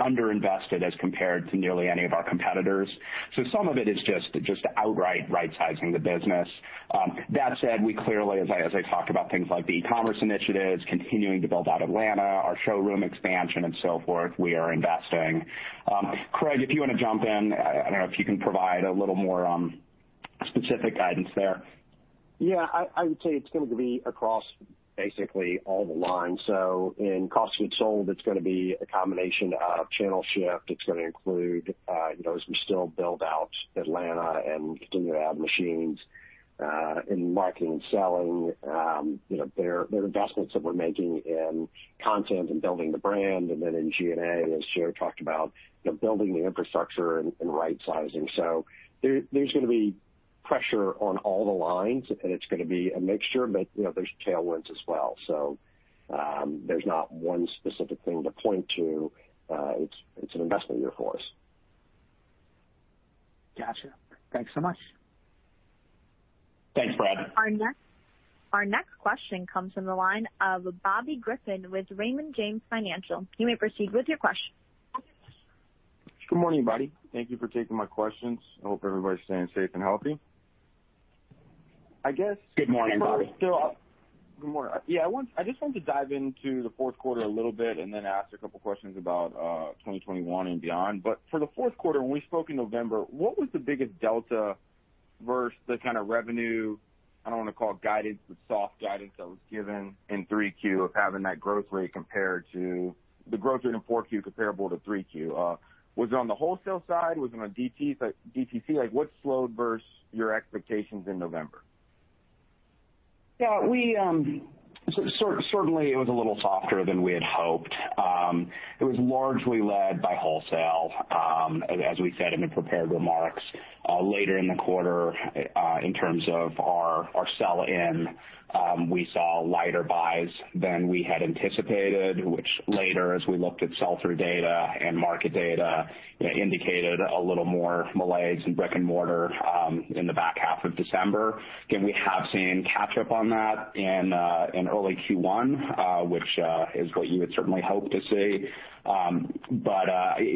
under-invested as compared to nearly any of our competitors. Some of it is just outright right-sizing the business. That said, we clearly, as I talked about things like the e-commerce initiatives, continuing to build out Atlanta, our showroom expansion, and so forth, we are investing. Craig, if you want to jump in, I don't know if you can provide a little more specific guidance there. I would say it's going to be across basically all the lines. In cost of goods sold, it's going to be a combination of channel shift. It's going to include as we still build out Atlanta and continue to add machines. In marketing and selling, there are investments that we're making in content and building the brand, and then in G&A, as Joe talked about, building the infrastructure and right-sizing. There's going to be pressure on all the lines, and it's going to be a mixture, but there's tailwinds as well. There's not one specific thing to point to. It's an investment year for us. Got you. Thanks so much. Thanks, Brad. Our next question comes from the line of Bobby Griffin with Raymond James Financial. You may proceed with your question. Good morning, Bobby. Thank you for taking my questions. I hope everybody's staying safe and healthy. Good morning, Bobby. Good morning. I just wanted to dive into the fourth quarter a little bit and then ask a couple questions about 2021 and beyond. For the fourth quarter, when we spoke in November, what was the biggest delta versus the kind of revenue, I don't want to call it guidance, but soft guidance that was given in 3Q of having that growth rate compared to the growth rate in 4Q comparable to 3Q? Was it on the wholesale side? Was it on DTC? What slowed versus your expectations in November? Certainly, it was a little softer than we had hoped. It was largely led by wholesale, as we said in the prepared remarks. Later in the quarter, in terms of our sell-in, we saw lighter buys than we had anticipated, which later, as we looked at sell-through data and market data, indicated a little more malaise in brick and mortar in the back half of December. Again, we have seen catch-up on that in early Q1, which is what you would certainly hope to see.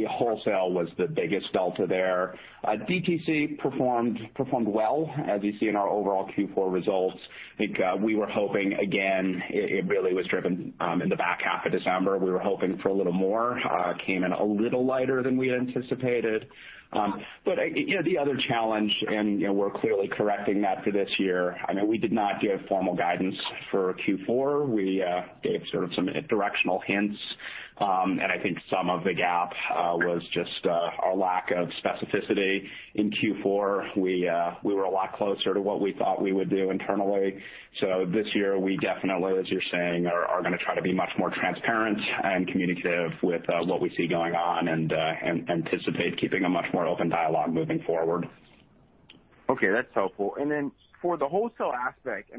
Wholesale was the biggest delta there. DTC performed well, as you see in our overall Q4 results. I think we were hoping, again, it really was driven in the back half of December. We were hoping for a little more. Came in a little lighter than we had anticipated. The other challenge, and we're clearly correcting that for this year, I know we did not give formal guidance for Q4. We gave sort of some directional hints, and I think some of the gap was just our lack of specificity in Q4. We were a lot closer to what we thought we would do internally. This year, we definitely, as you're saying, are going to try to be much more transparent and communicative with what we see going on and anticipate keeping a much more open dialogue moving forward. Okay, that's helpful. Then for the wholesale aspect,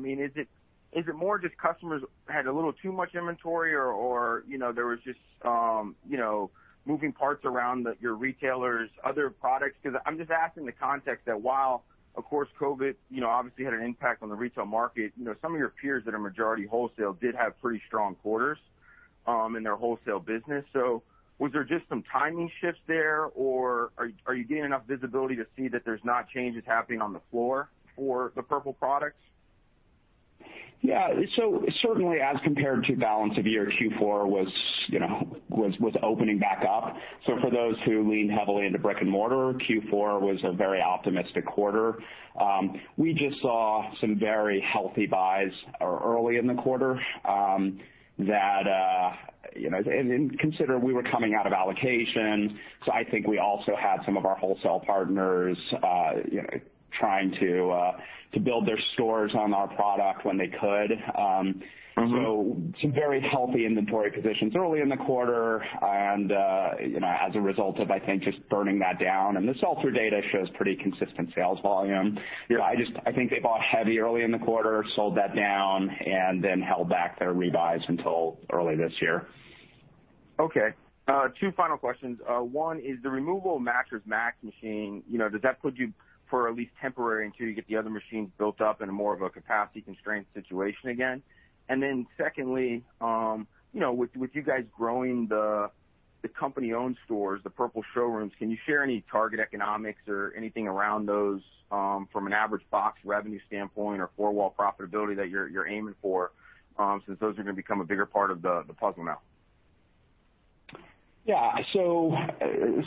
is it more just customers had a little too much inventory or there was just moving parts around your retailers, other products? I'm just asking the context that while, of course, COVID obviously had an impact on the retail market, some of your peers that are majority wholesale did have pretty strong quarters in their wholesale business. Was there just some timing shifts there, or are you getting enough visibility to see that there's not changes happening on the floor for the Purple products? Yeah. Certainly, as compared to balance of year, Q4 was opening back up. For those who lean heavily into brick and mortar, Q4 was a very optimistic quarter. We just saw some very healthy buys early in the quarter that, and consider we were coming out of allocation. I think we also had some of our wholesale partners trying to build their stores on our product when they could. Some very healthy inventory positions early in the quarter. As a result of, I think, just burning that down, and the sell-through data shows pretty consistent sales volume. Yeah. I think they bought heavy early in the quarter, sold that down, and then held back their rebuys until early this year. Okay. Two final questions. One is the removal of the Mattress Max machine, does that put you for at least temporary until you get the other machines built up in a more of a capacity constraint situation again? Secondly, with you guys growing the company-owned stores, the Purple showrooms, can you share any target economics or anything around those from an average box revenue standpoint or four-wall profitability that you're aiming for since those are going to become a bigger part of the puzzle now?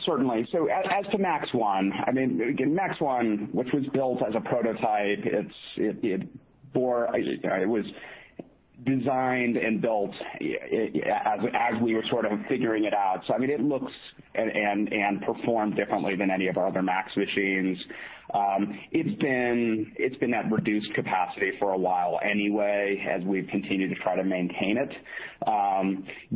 Certainly. As to Max one, again, Max one, which was built as a prototype, it was designed and built as we were sort of figuring it out. It looks and performed differently than any of our other Max machines. It's been at reduced capacity for a while anyway as we've continued to try to maintain it.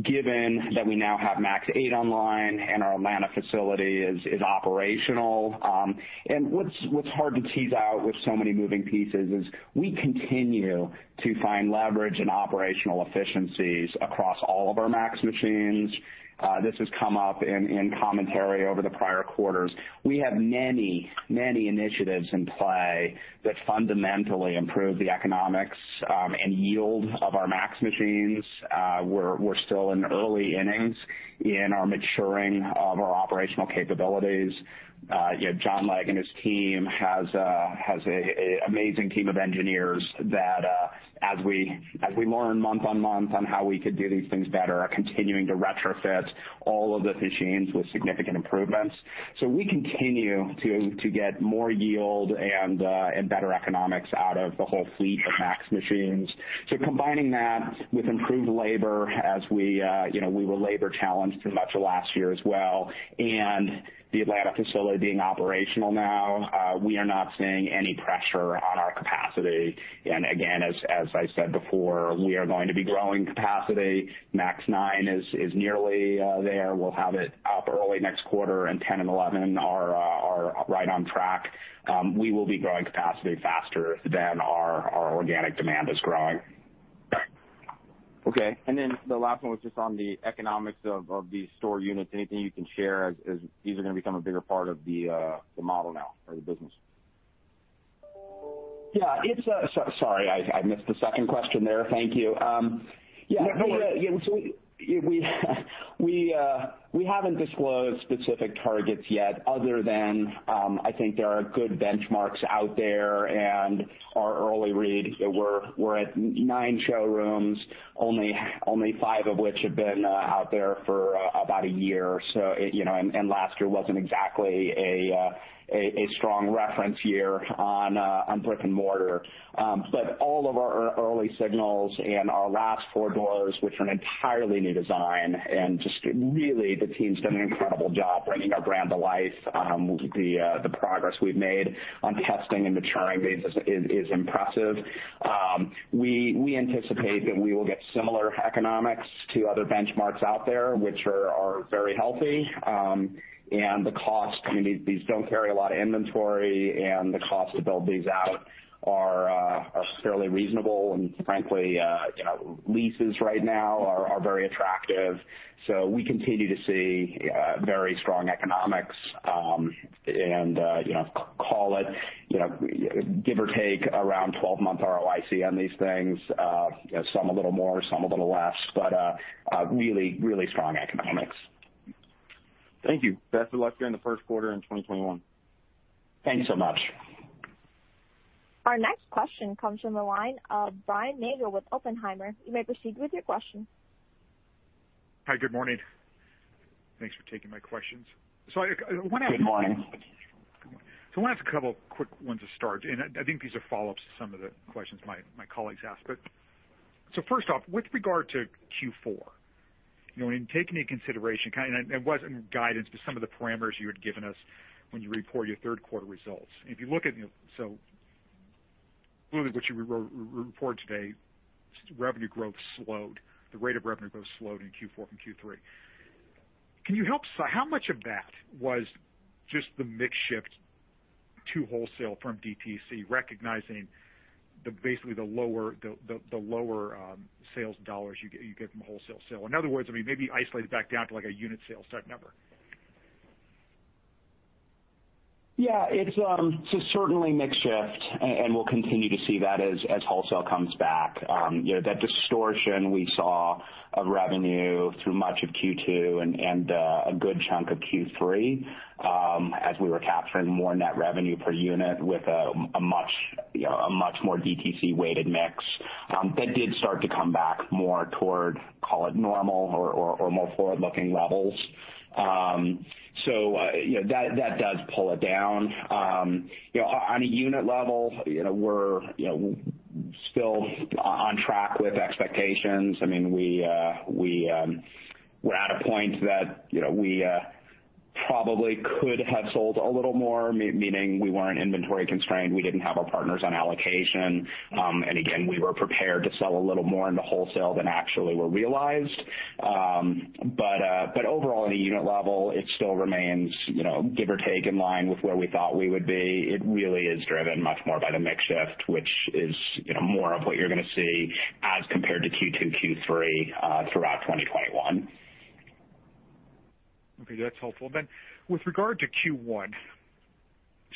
Given that we now have Max eight online and our Atlanta facility is operational, what's hard to tease out with so many moving pieces is we continue to find leverage and operational efficiencies across all of our Max machines. This has come up in commentary over the prior quarters. We have many initiatives in play that fundamentally improve the economics and yield of our Max machines. We're still in early innings in our maturing of our operational capabilities. John Legg and his team has a amazing team of engineers that as we learn month-on-month on how we could do these things better, are continuing to retrofit all of the machines with significant improvements. We continue to get more yield and better economics out of the whole fleet of Max machines. Combining that with improved labor as we were labor challenged through much of last year as well, and the Atlanta facility being operational now, we are not seeing any pressure on our capacity. Again, as I said before, we are going to be growing capacity. Max nine is nearly there. We'll have it up early next quarter, 10 and 11 are right on track. We will be growing capacity faster than our organic demand is growing. Okay. The last one was just on the economics of the store units. Anything you can share as these are going to become a bigger part of the model now for the business? Yeah. Sorry, I missed the second question there. Thank you. Yeah. No worries. We haven't disclosed specific targets yet other than, I think there are good benchmarks out there, and our early read, we're at nine showrooms, only five of which have been out there for about a year. Last year wasn't exactly a strong reference year on brick and mortar. All of our early signals and our last four doors, which are an entirely new design, and just really the team's done an incredible job bringing our brand to life. The progress we've made on testing and maturing these is impressive. We anticipate that we will get similar economics to other benchmarks out there, which are very healthy. These don't carry a lot of inventory, and the cost to build these out are fairly reasonable, and frankly, leases right now are very attractive. We continue to see very strong economics, and call it, give or take around 12-month ROIC on these things. Some a little more, some a little less, really, really strong economics. Thank you. Best of luck during the first quarter in 2021. Thank you so much. Our next question comes from the line of Brian Nagel with Oppenheimer. You may proceed with your question. Hi, good morning. Thanks for taking my questions. Good morning. I wanted to ask a couple quick ones to start, and I think these are follow-ups to some of the questions my colleagues asked. First off, with regard to Q4, when you take into consideration, and it wasn't guidance, but some of the parameters you had given us when you report your third quarter results. Clearly what you report today, revenue growth slowed. The rate of revenue growth slowed in Q4 from Q3. How much of that was just the mix shift to wholesale from DTC recognizing basically the lower sales dollars you get from wholesale. In other words, maybe isolate it back down to a unit sales type number. Yeah. It's certainly mix shift, we'll continue to see that as wholesale comes back. That distortion we saw of revenue through much of Q2 and a good chunk of Q3, as we were capturing more net revenue per unit with a much more DTC-weighted mix. That did start to come back more toward, call it normal or more forward-looking levels. That does pull it down. On a unit level, we're still on track with expectations. We're at a point that we probably could have sold a little more, meaning we weren't inventory constrained. We didn't have our partners on allocation. Again, we were prepared to sell a little more into wholesale than actually were realized. Overall on a unit level, it still remains give or take in line with where we thought we would be. It really is driven much more by the mix shift, which is more of what you're going to see as compared to Q2, Q3, throughout 2021. Okay. That's helpful. With regard to Q1,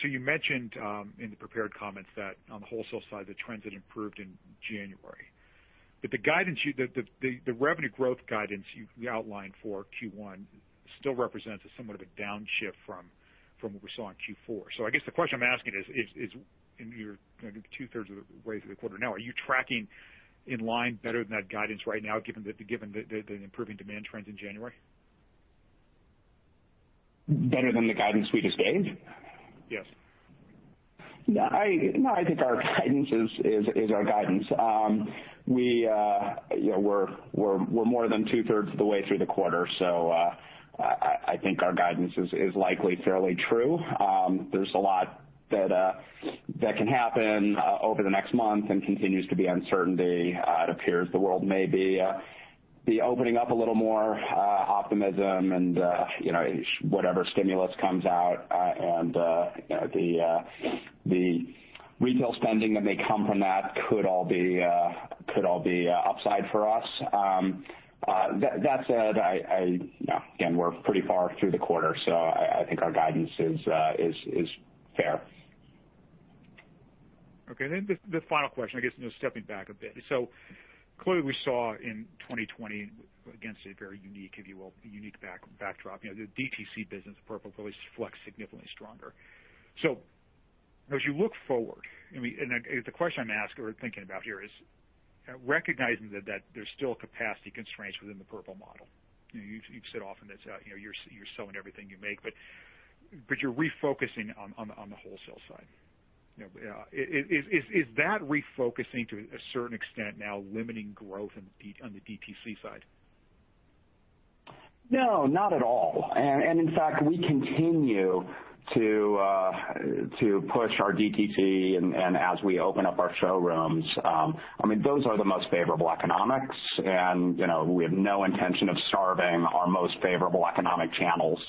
you mentioned in the prepared comments that on the wholesale side, the trends had improved in January. The revenue growth guidance you outlined for Q1 still represents a somewhat of a downshift from what we saw in Q4. I guess the question I'm asking is, you're 2/3 of the way through the quarter now, are you tracking in line better than that guidance right now, given the improving demand trends in January? Better than the guidance we just gave? Yes. No, I think our guidance is our guidance. We're more than 2/3 of the way through the quarter. I think our guidance is likely fairly true. There's a lot that can happen over the next month and continues to be uncertainty. It appears the world may be opening up a little more, optimism and whatever stimulus comes out, and the retail spending that may come from that could all be upside for us. That said, again, we're pretty far through the quarter. I think our guidance is fair. The final question, stepping back a bit. Clearly we saw in 2020, against a very unique, if you will, backdrop. The DTC business, Purple really flexed significantly stronger. As you look forward, the question I'm asking or thinking about here is, recognizing that there's still capacity constraints within the Purple model. You've said often that you're selling everything you make, but you're refocusing on the wholesale side. Is that refocusing to a certain extent now limiting growth on the DTC side? No, not at all. In fact, we continue to push our DTC, and as we open up our showrooms, those are the most favorable economics, and we have no intention of starving our most favorable economic channels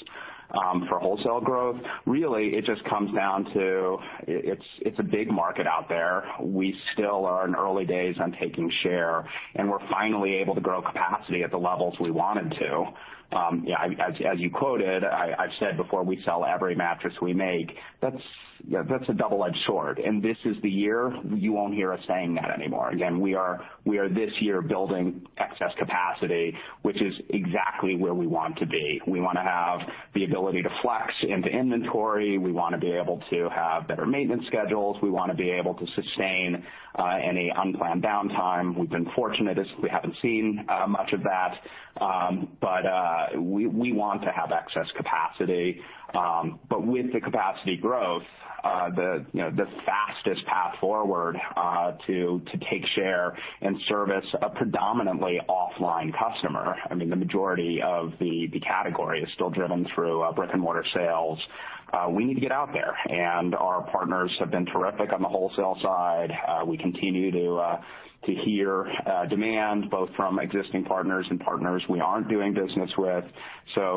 for wholesale growth. Really, it just comes down to, it's a big market out there. We still are in early days on taking share, and we're finally able to grow capacity at the levels we wanted to. As you quoted, I've said before, we sell every mattress we make. That's a double-edged sword. This is the year you won't hear us saying that anymore. Again, we are this year building excess capacity, which is exactly where we want to be. We want to have the ability to flex into inventory. We want to be able to have better maintenance schedules. We want to be able to sustain any unplanned downtime. We've been fortunate as we haven't seen much of that. We want to have excess capacity. With the capacity growth, the fastest path forward to take share and service a predominantly offline customer, the majority of the category is still driven through brick-and-mortar sales. We need to get out there, and our partners have been terrific on the wholesale side. We continue to hear demand both from existing partners and partners we aren't doing business with.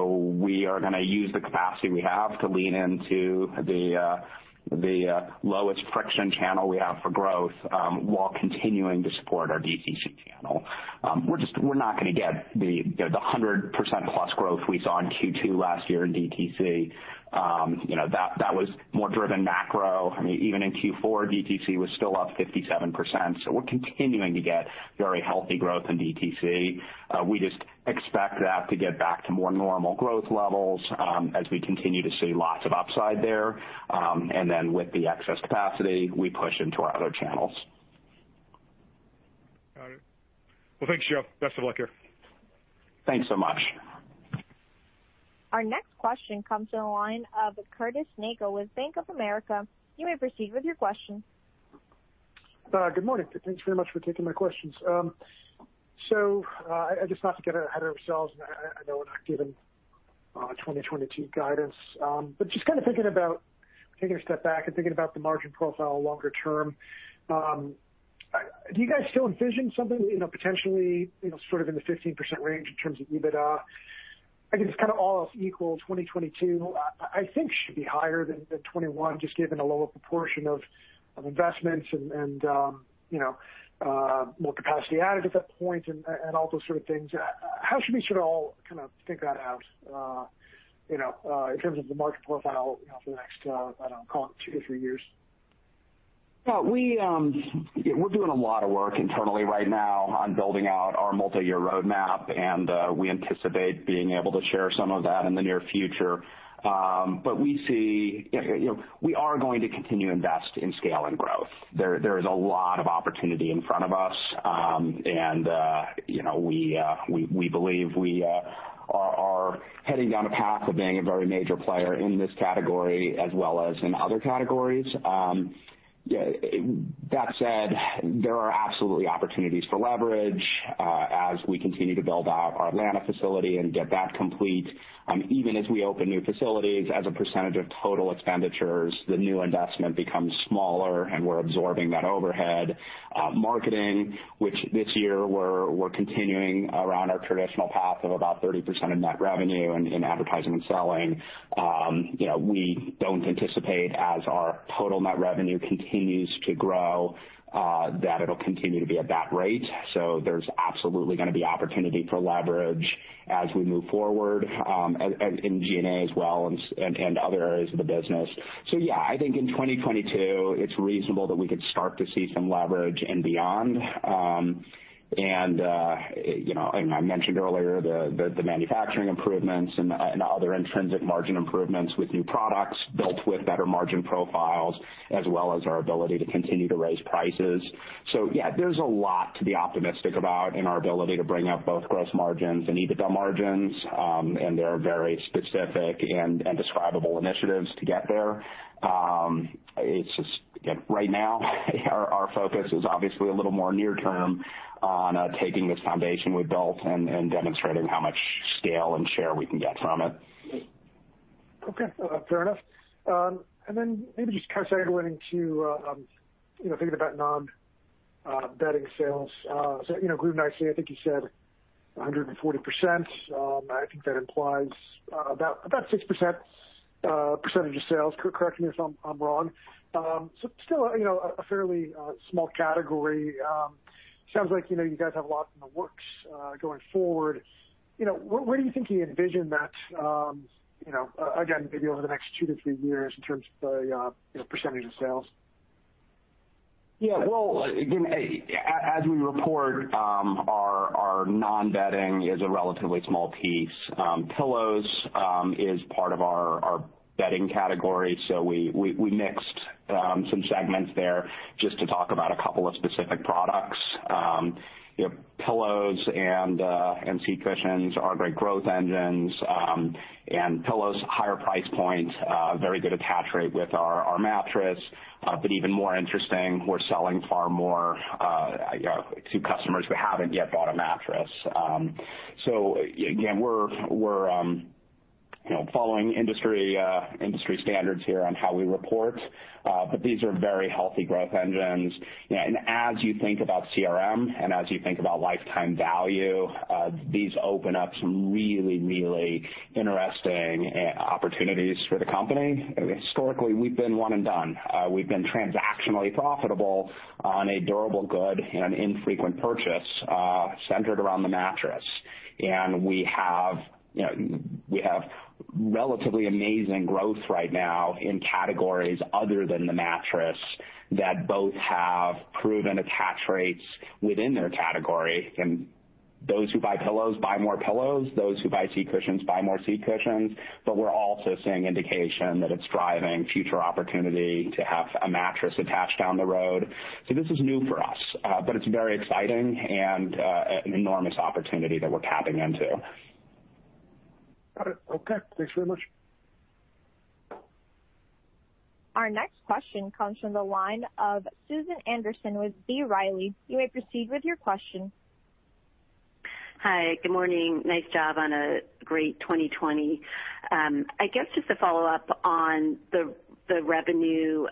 We are going to use the capacity we have to lean into the lowest friction channel we have for growth, while continuing to support our DTC channel. We're not going to get the 100%+ growth we saw in Q2 last year in DTC. That was more driven macro. Even in Q4, DTC was still up 57%, so we're continuing to get very healthy growth in DTC. We just expect that to get back to more normal growth levels as we continue to see lots of upside there. With the excess capacity, we push into our other channels. Got it. Well, thanks, Joe. Best of luck here. Thanks so much. Our next question comes on the line of Curtis Nagle with Bank of America. You may proceed with your question. Good morning. Thanks very much for taking my questions. Just not to get ahead of ourselves, and I know we're not giving 2022 guidance, but just kind of thinking about taking a step back and thinking about the margin profile longer term, do you guys still envision something potentially sort of in the 15% range in terms of EBITDA? I guess kind of all else equal, 2022, I think should be higher than 2021, just given the lower proportion of investments and more capacity added at that point and all those sort of things. How should we sort of all kind of think that out in terms of the margin profile for the next, I don't know, call it two-three years? We're doing a lot of work internally right now on building out our multi-year roadmap, and we anticipate being able to share some of that in the near future. We are going to continue to invest in scale and growth. There is a lot of opportunity in front of us, and we believe we are heading down a path of being a very major player in this category as well as in other categories. That said, there are absolutely opportunities for leverage as we continue to build out our Atlanta facility and get that complete. Even as we open new facilities as a percentage of total expenditures, the new investment becomes smaller, and we're absorbing that overhead. Marketing, which this year we're continuing around our traditional path of about 30% of net revenue in advertising and selling. We don't anticipate as our total net revenue continues to grow, that it'll continue to be at that rate. There's absolutely going to be opportunity for leverage as we move forward in G&A as well and other areas of the business. Yeah, I think in 2022, it's reasonable that we could start to see some leverage and beyond. I mentioned earlier the manufacturing improvements and other intrinsic margin improvements with new products built with better margin profiles, as well as our ability to continue to raise prices. Yeah, there's a lot to be optimistic about in our ability to bring up both gross margins and EBITDA margins, and there are very specific and describable initiatives to get there. Right now, our focus is obviously a little more near term on taking this foundation we've built and demonstrating how much scale and share we can get from it. Okay. Fair enough. Then maybe just kind of segueing to thinking about non-bedding sales. Gluden, I'd say I think you said 140%. I think that implies about 6% percentage of sales. Correct me if I'm wrong. Still a fairly small category. Sounds like you guys have a lot in the works going forward. Where do you think you envision that, again, maybe over the next two-three years in terms of the percentage of sales? Yeah. Well, again, as we report, our non-bedding is a relatively small piece. Pillows is part of our bedding category, so we mixed some segments there just to talk about a couple of specific products. Pillows and seat cushions are great growth engines, and pillows, higher price points, very good attach rate with our mattress. But even more interesting, we're selling far more to customers who haven't yet bought a mattress. Again, we're following industry standards here on how we report, but these are very healthy growth engines. As you think about CRM and as you think about lifetime value, these open up some really interesting opportunities for the company. Historically, we've been one and done. We've been transactionally profitable on a durable good and infrequent purchase centered around the mattress. We have relatively amazing growth right now in categories other than the mattress that both have proven attach rates within their category. Those who buy pillows, buy more pillows, those who buy seat cushions, buy more seat cushions. We're also seeing indication that it's driving future opportunity to have a mattress attached down the road. This is new for us, but it's very exciting and an enormous opportunity that we're tapping into. Got it. Okay. Thanks very much. Our next question comes from the line of Susan Anderson with B. Riley. You may proceed with your question. Hi, good morning. Nice job on a great 2020. Just to follow up on the revenue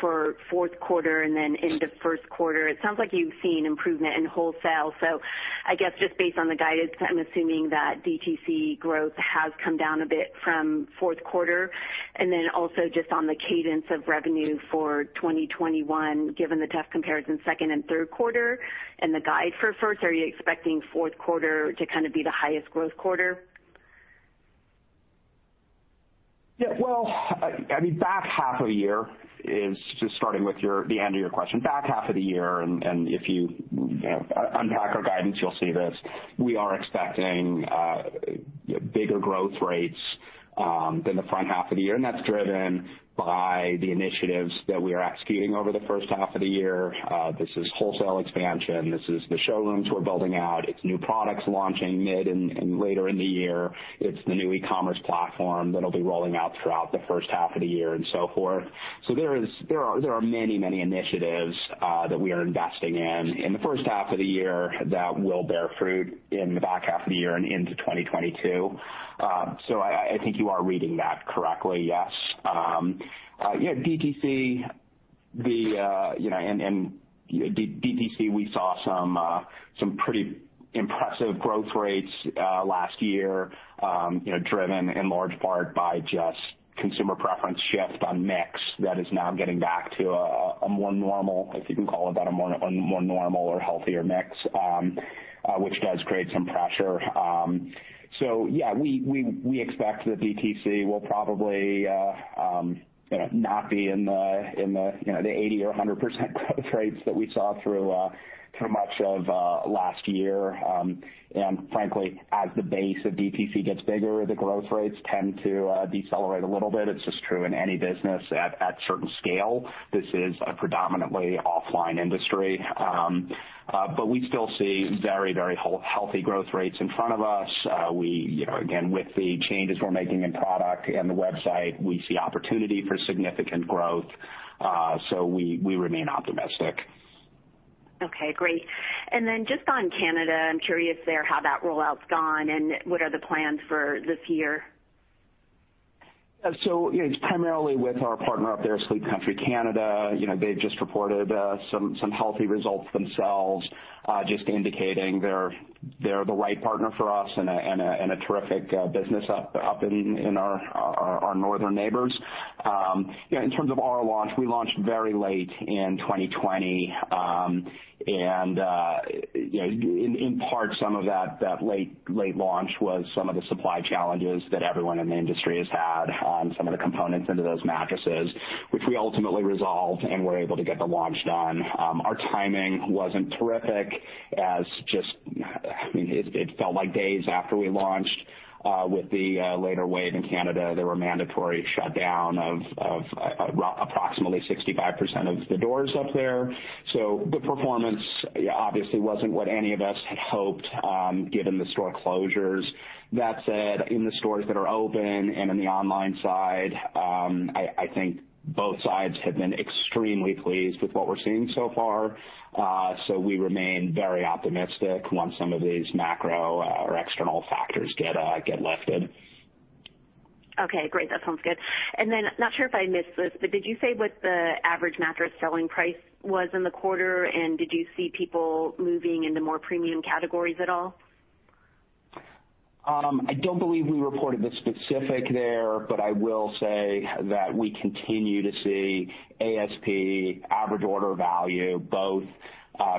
for fourth quarter and then into first quarter, it sounds like you've seen improvement in wholesale. Also just on the cadence of revenue for 2021, given the tough comparison second and third quarter and the guide for first, are you expecting fourth quarter to kind of be the highest growth quarter? Yeah. Well, back half of the year is just starting with the end of your question. Back half of the year, if you unpack our guidance, you'll see this, we are expecting bigger growth rates than the front half of the year, and that's driven by the initiatives that we are executing over the first half of the year. This is wholesale expansion, this is the showrooms we're building out. It's new products launching mid and later in the year. It's the new e-commerce platform that'll be rolling out throughout the first half of the year and so forth. There are many initiatives that we are investing in the first half of the year that will bear fruit in the back half of the year and into 2022. I think you are reading that correctly, yes. DTC, we saw some pretty impressive growth rates last year, driven in large part by just consumer preference shift on mix that is now getting back to a more normal, if you can call it that, a more normal or healthier mix, which does create some pressure. Yeah, we expect that DTC will probably not be in the 80% or 100% growth rates that we saw through much of last year. Frankly, as the base of DTC gets bigger, the growth rates tend to decelerate a little bit. It's just true in any business at certain scale. This is a predominantly offline industry. We still see very healthy growth rates in front of us. Again, with the changes we're making in product and the website, we see opportunity for significant growth. We remain optimistic. Okay, great. Then just on Canada, I'm curious there how that rollout's gone and what are the plans for this year? It's primarily with our partner up there, Sleep Country Canada. They've just reported some healthy results themselves, just indicating they're the right partner for us and a terrific business up in our northern neighbors. In terms of our launch, we launched very late in 2020. In part, some of that late launch was some of the supply challenges that everyone in the industry has had on some of the components into those mattresses, which we ultimately resolved and were able to get the launch done. Our timing wasn't terrific as just, it felt like days after we launched, with the later wave in Canada, there were mandatory shutdown of approximately 65% of the doors up there. The performance obviously wasn't what any of us had hoped, given the store closures. That said, in the stores that are open and in the online side, I think both sides have been extremely pleased with what we're seeing so far. We remain very optimistic once some of these macro or external factors get lifted. Okay, great. That sounds good. Not sure if I missed this, but did you say what the average mattress selling price was in the quarter, and did you see people moving into more premium categories at all? I don't believe we reported the specific there, but I will say that we continue to see ASP, average order value, both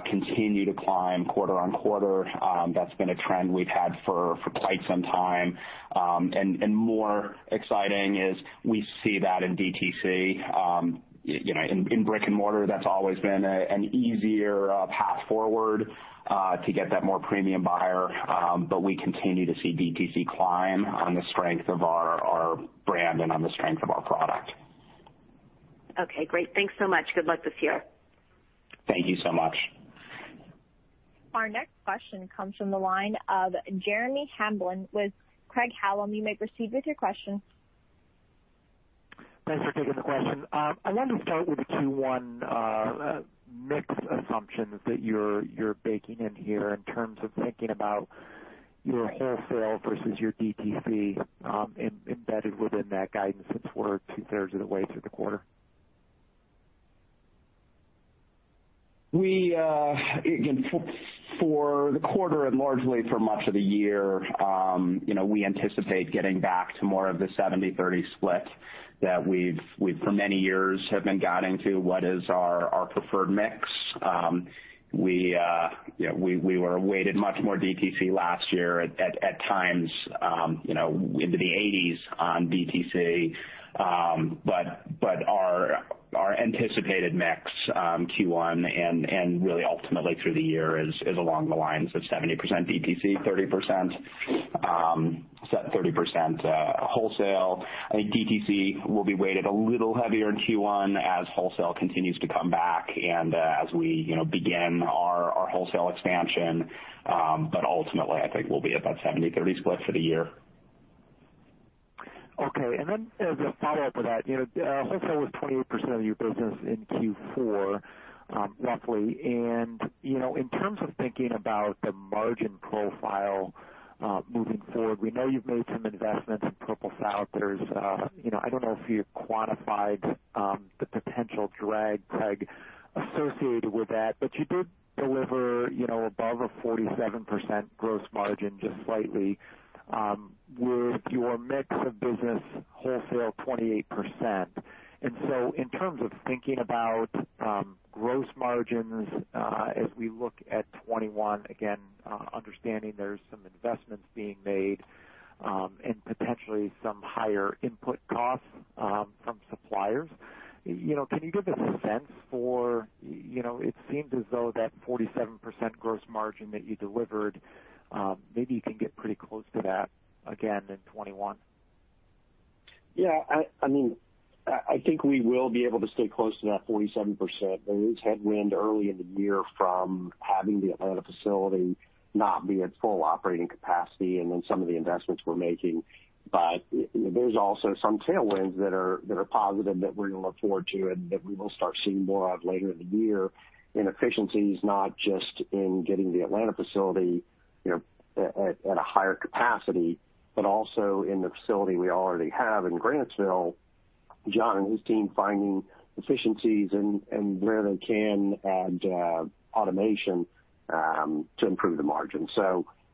continue to climb quarter on quarter. That's been a trend we've had for quite some time. More exciting is we see that in DTC. In brick and mortar, that's always been an easier path forward to get that more premium buyer, but we continue to see DTC climb on the strength of our brand and on the strength of our product. Okay, great. Thanks so much. Good luck this year. Thank you so much. Our next question comes from the line of Jeremy Hamblin with Craig-Hallum. You may proceed with your question. Thanks for taking the question. I wanted to start with the Q1 mix assumptions that you're baking in here in terms of thinking about your wholesale versus your DTC embedded within that guidance since we're two-thirds of the way through the quarter. Again, for the quarter and largely for much of the year, we anticipate getting back to more of the 70%/30% split that we've, for many years, have been guiding to what is our preferred mix. We were weighted much more DTC last year at times into the 80%s on DTC. Our anticipated mix Q1 and really ultimately through the year is along the lines of 70% DTC, 30% wholesale. I think DTC will be weighted a little heavier in Q1 as wholesale continues to come back and as we begin our wholesale expansion. Ultimately, I think we'll be about 70%/30% split for the year. Okay, as a follow-up to that, wholesale was 28% of your business in Q4 roughly. In terms of thinking about the margin profile moving forward, we know you've made some investments in Purple South. I don't know if you've quantified the potential drag, Craig, associated with that, you did deliver above a 47% gross margin just slightly with your mix of business wholesale 28%. In terms of thinking about gross margins as we look at 2021, again, understanding there's some investments being made and potentially some higher input costs from suppliers, can you give a sense for it seems as though that 47% gross margin that you delivered, maybe you can get pretty close to that again in 2021? I think we will be able to stay close to that 47%. There is headwind early in the year from having the Atlanta facility not be at full operating capacity and then some of the investments we're making. There's also some tailwinds that are positive that we're going to look forward to and that we will start seeing more of later in the year in efficiencies, not just in getting the Atlanta facility at a higher capacity, but also in the facility we already have in Grantsville, John and his team finding efficiencies and where they can add automation to improve the margin.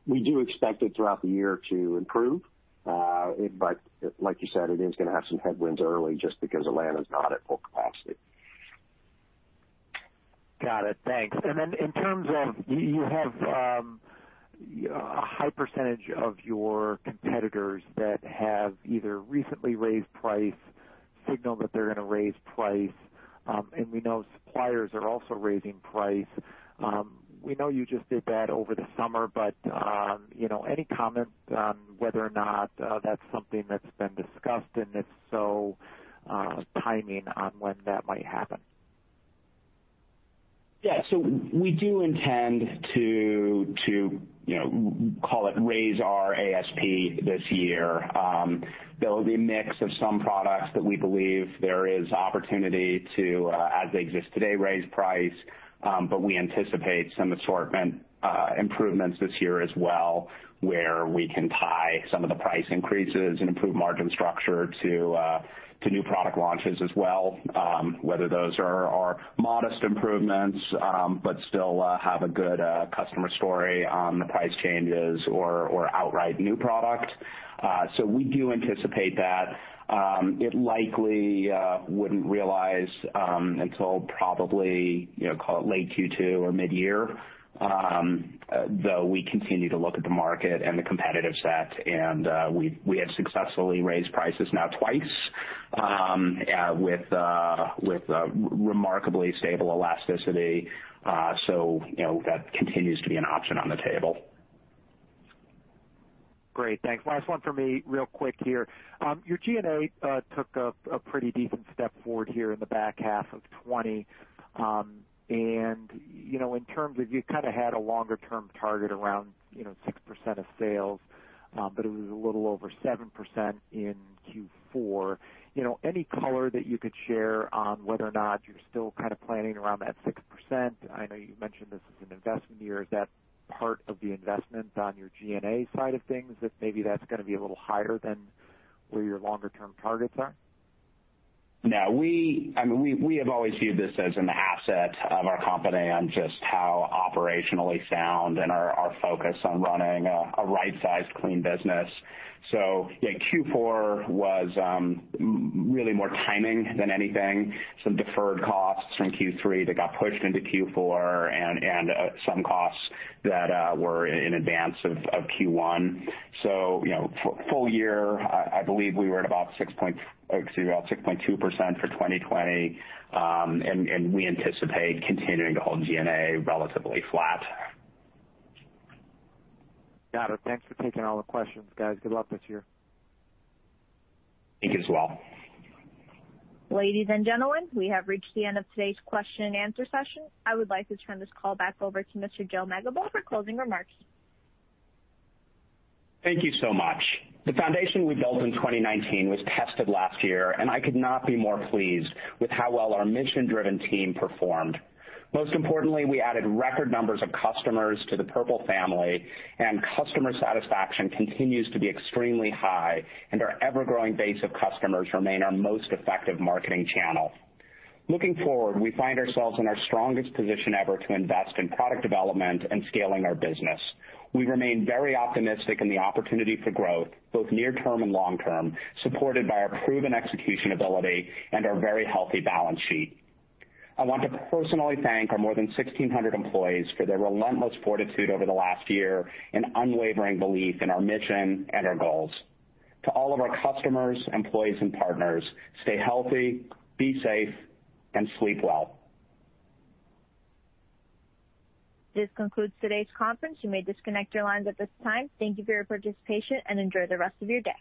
We do expect it throughout the year to improve. Like you said, it is going to have some headwinds early just because Atlanta's not at full capacity. Got it. Thanks. In terms of, you have a high percentage of your competitors that have either recently raised price, signaled that they're going to raise price, and we know suppliers are also raising price. We know you just did that over the summer, any comment on whether or not that's something that's been discussed, and if so, timing on when that might happen? Yeah. We do intend to call it raise our ASP this year. There will be a mix of some products that we believe there is opportunity to, as they exist today, raise price. But we anticipate some assortment improvements this year as well, where we can tie some of the price increases and improve margin structure to new product launches as well, whether those are modest improvements but still have a good customer story on the price changes or outright new product. We do anticipate that. It likely wouldn't realize until probably, call it late Q2 or mid-year, though we continue to look at the market and the competitive set, and we have successfully raised prices now twice with remarkably stable elasticity. That continues to be an option on the table. Great. Thanks. Last one for me real quick here. Your G&A took a pretty decent step forward here in the back half of 2020. In terms of, you kind of had a longer-term target around 6% of sales, but it was a little over 7% in Q4. Any color that you could share on whether or not you're still kind of planning around that 6%? I know you mentioned this is an investment year. Is that part of the investment on your G&A side of things, that maybe that's going to be a little higher than where your longer-term targets are? No. We have always viewed this as an asset of our company on just how operationally sound and our focus on running a right-sized clean business. Yeah, Q4 was really more timing than anything. Some deferred costs from Q3 that got pushed into Q4 and some costs that were in advance of Q1. Full year, I believe we were at about 6.2% for 2020, and we anticipate continuing to hold G&A relatively flat. Got it. Thanks for taking all the questions, guys. Good luck this year. Thank you as well. Ladies and gentlemen, we have reached the end of today's question and answer session. I would like to turn this call back over to Mr. Joe Megibow for closing remarks. Thank you so much. The foundation we built in 2019 was tested last year, and I could not be more pleased with how well our mission-driven team performed. Most importantly, we added record numbers of customers to the Purple family, and customer satisfaction continues to be extremely high, and our ever-growing base of customers remain our most effective marketing channel. Looking forward, we find ourselves in our strongest position ever to invest in product development and scaling our business. We remain very optimistic in the opportunity for growth, both near term and long term, supported by our proven execution ability and our very healthy balance sheet. I want to personally thank our more than 1,600 employees for their relentless fortitude over the last year and unwavering belief in our mission and our goals. To all of our customers, employees, and partners, stay healthy, be safe, and sleep well. This concludes today's conference. You may disconnect your lines at this time. Thank you for your participation and enjoy the rest of your day.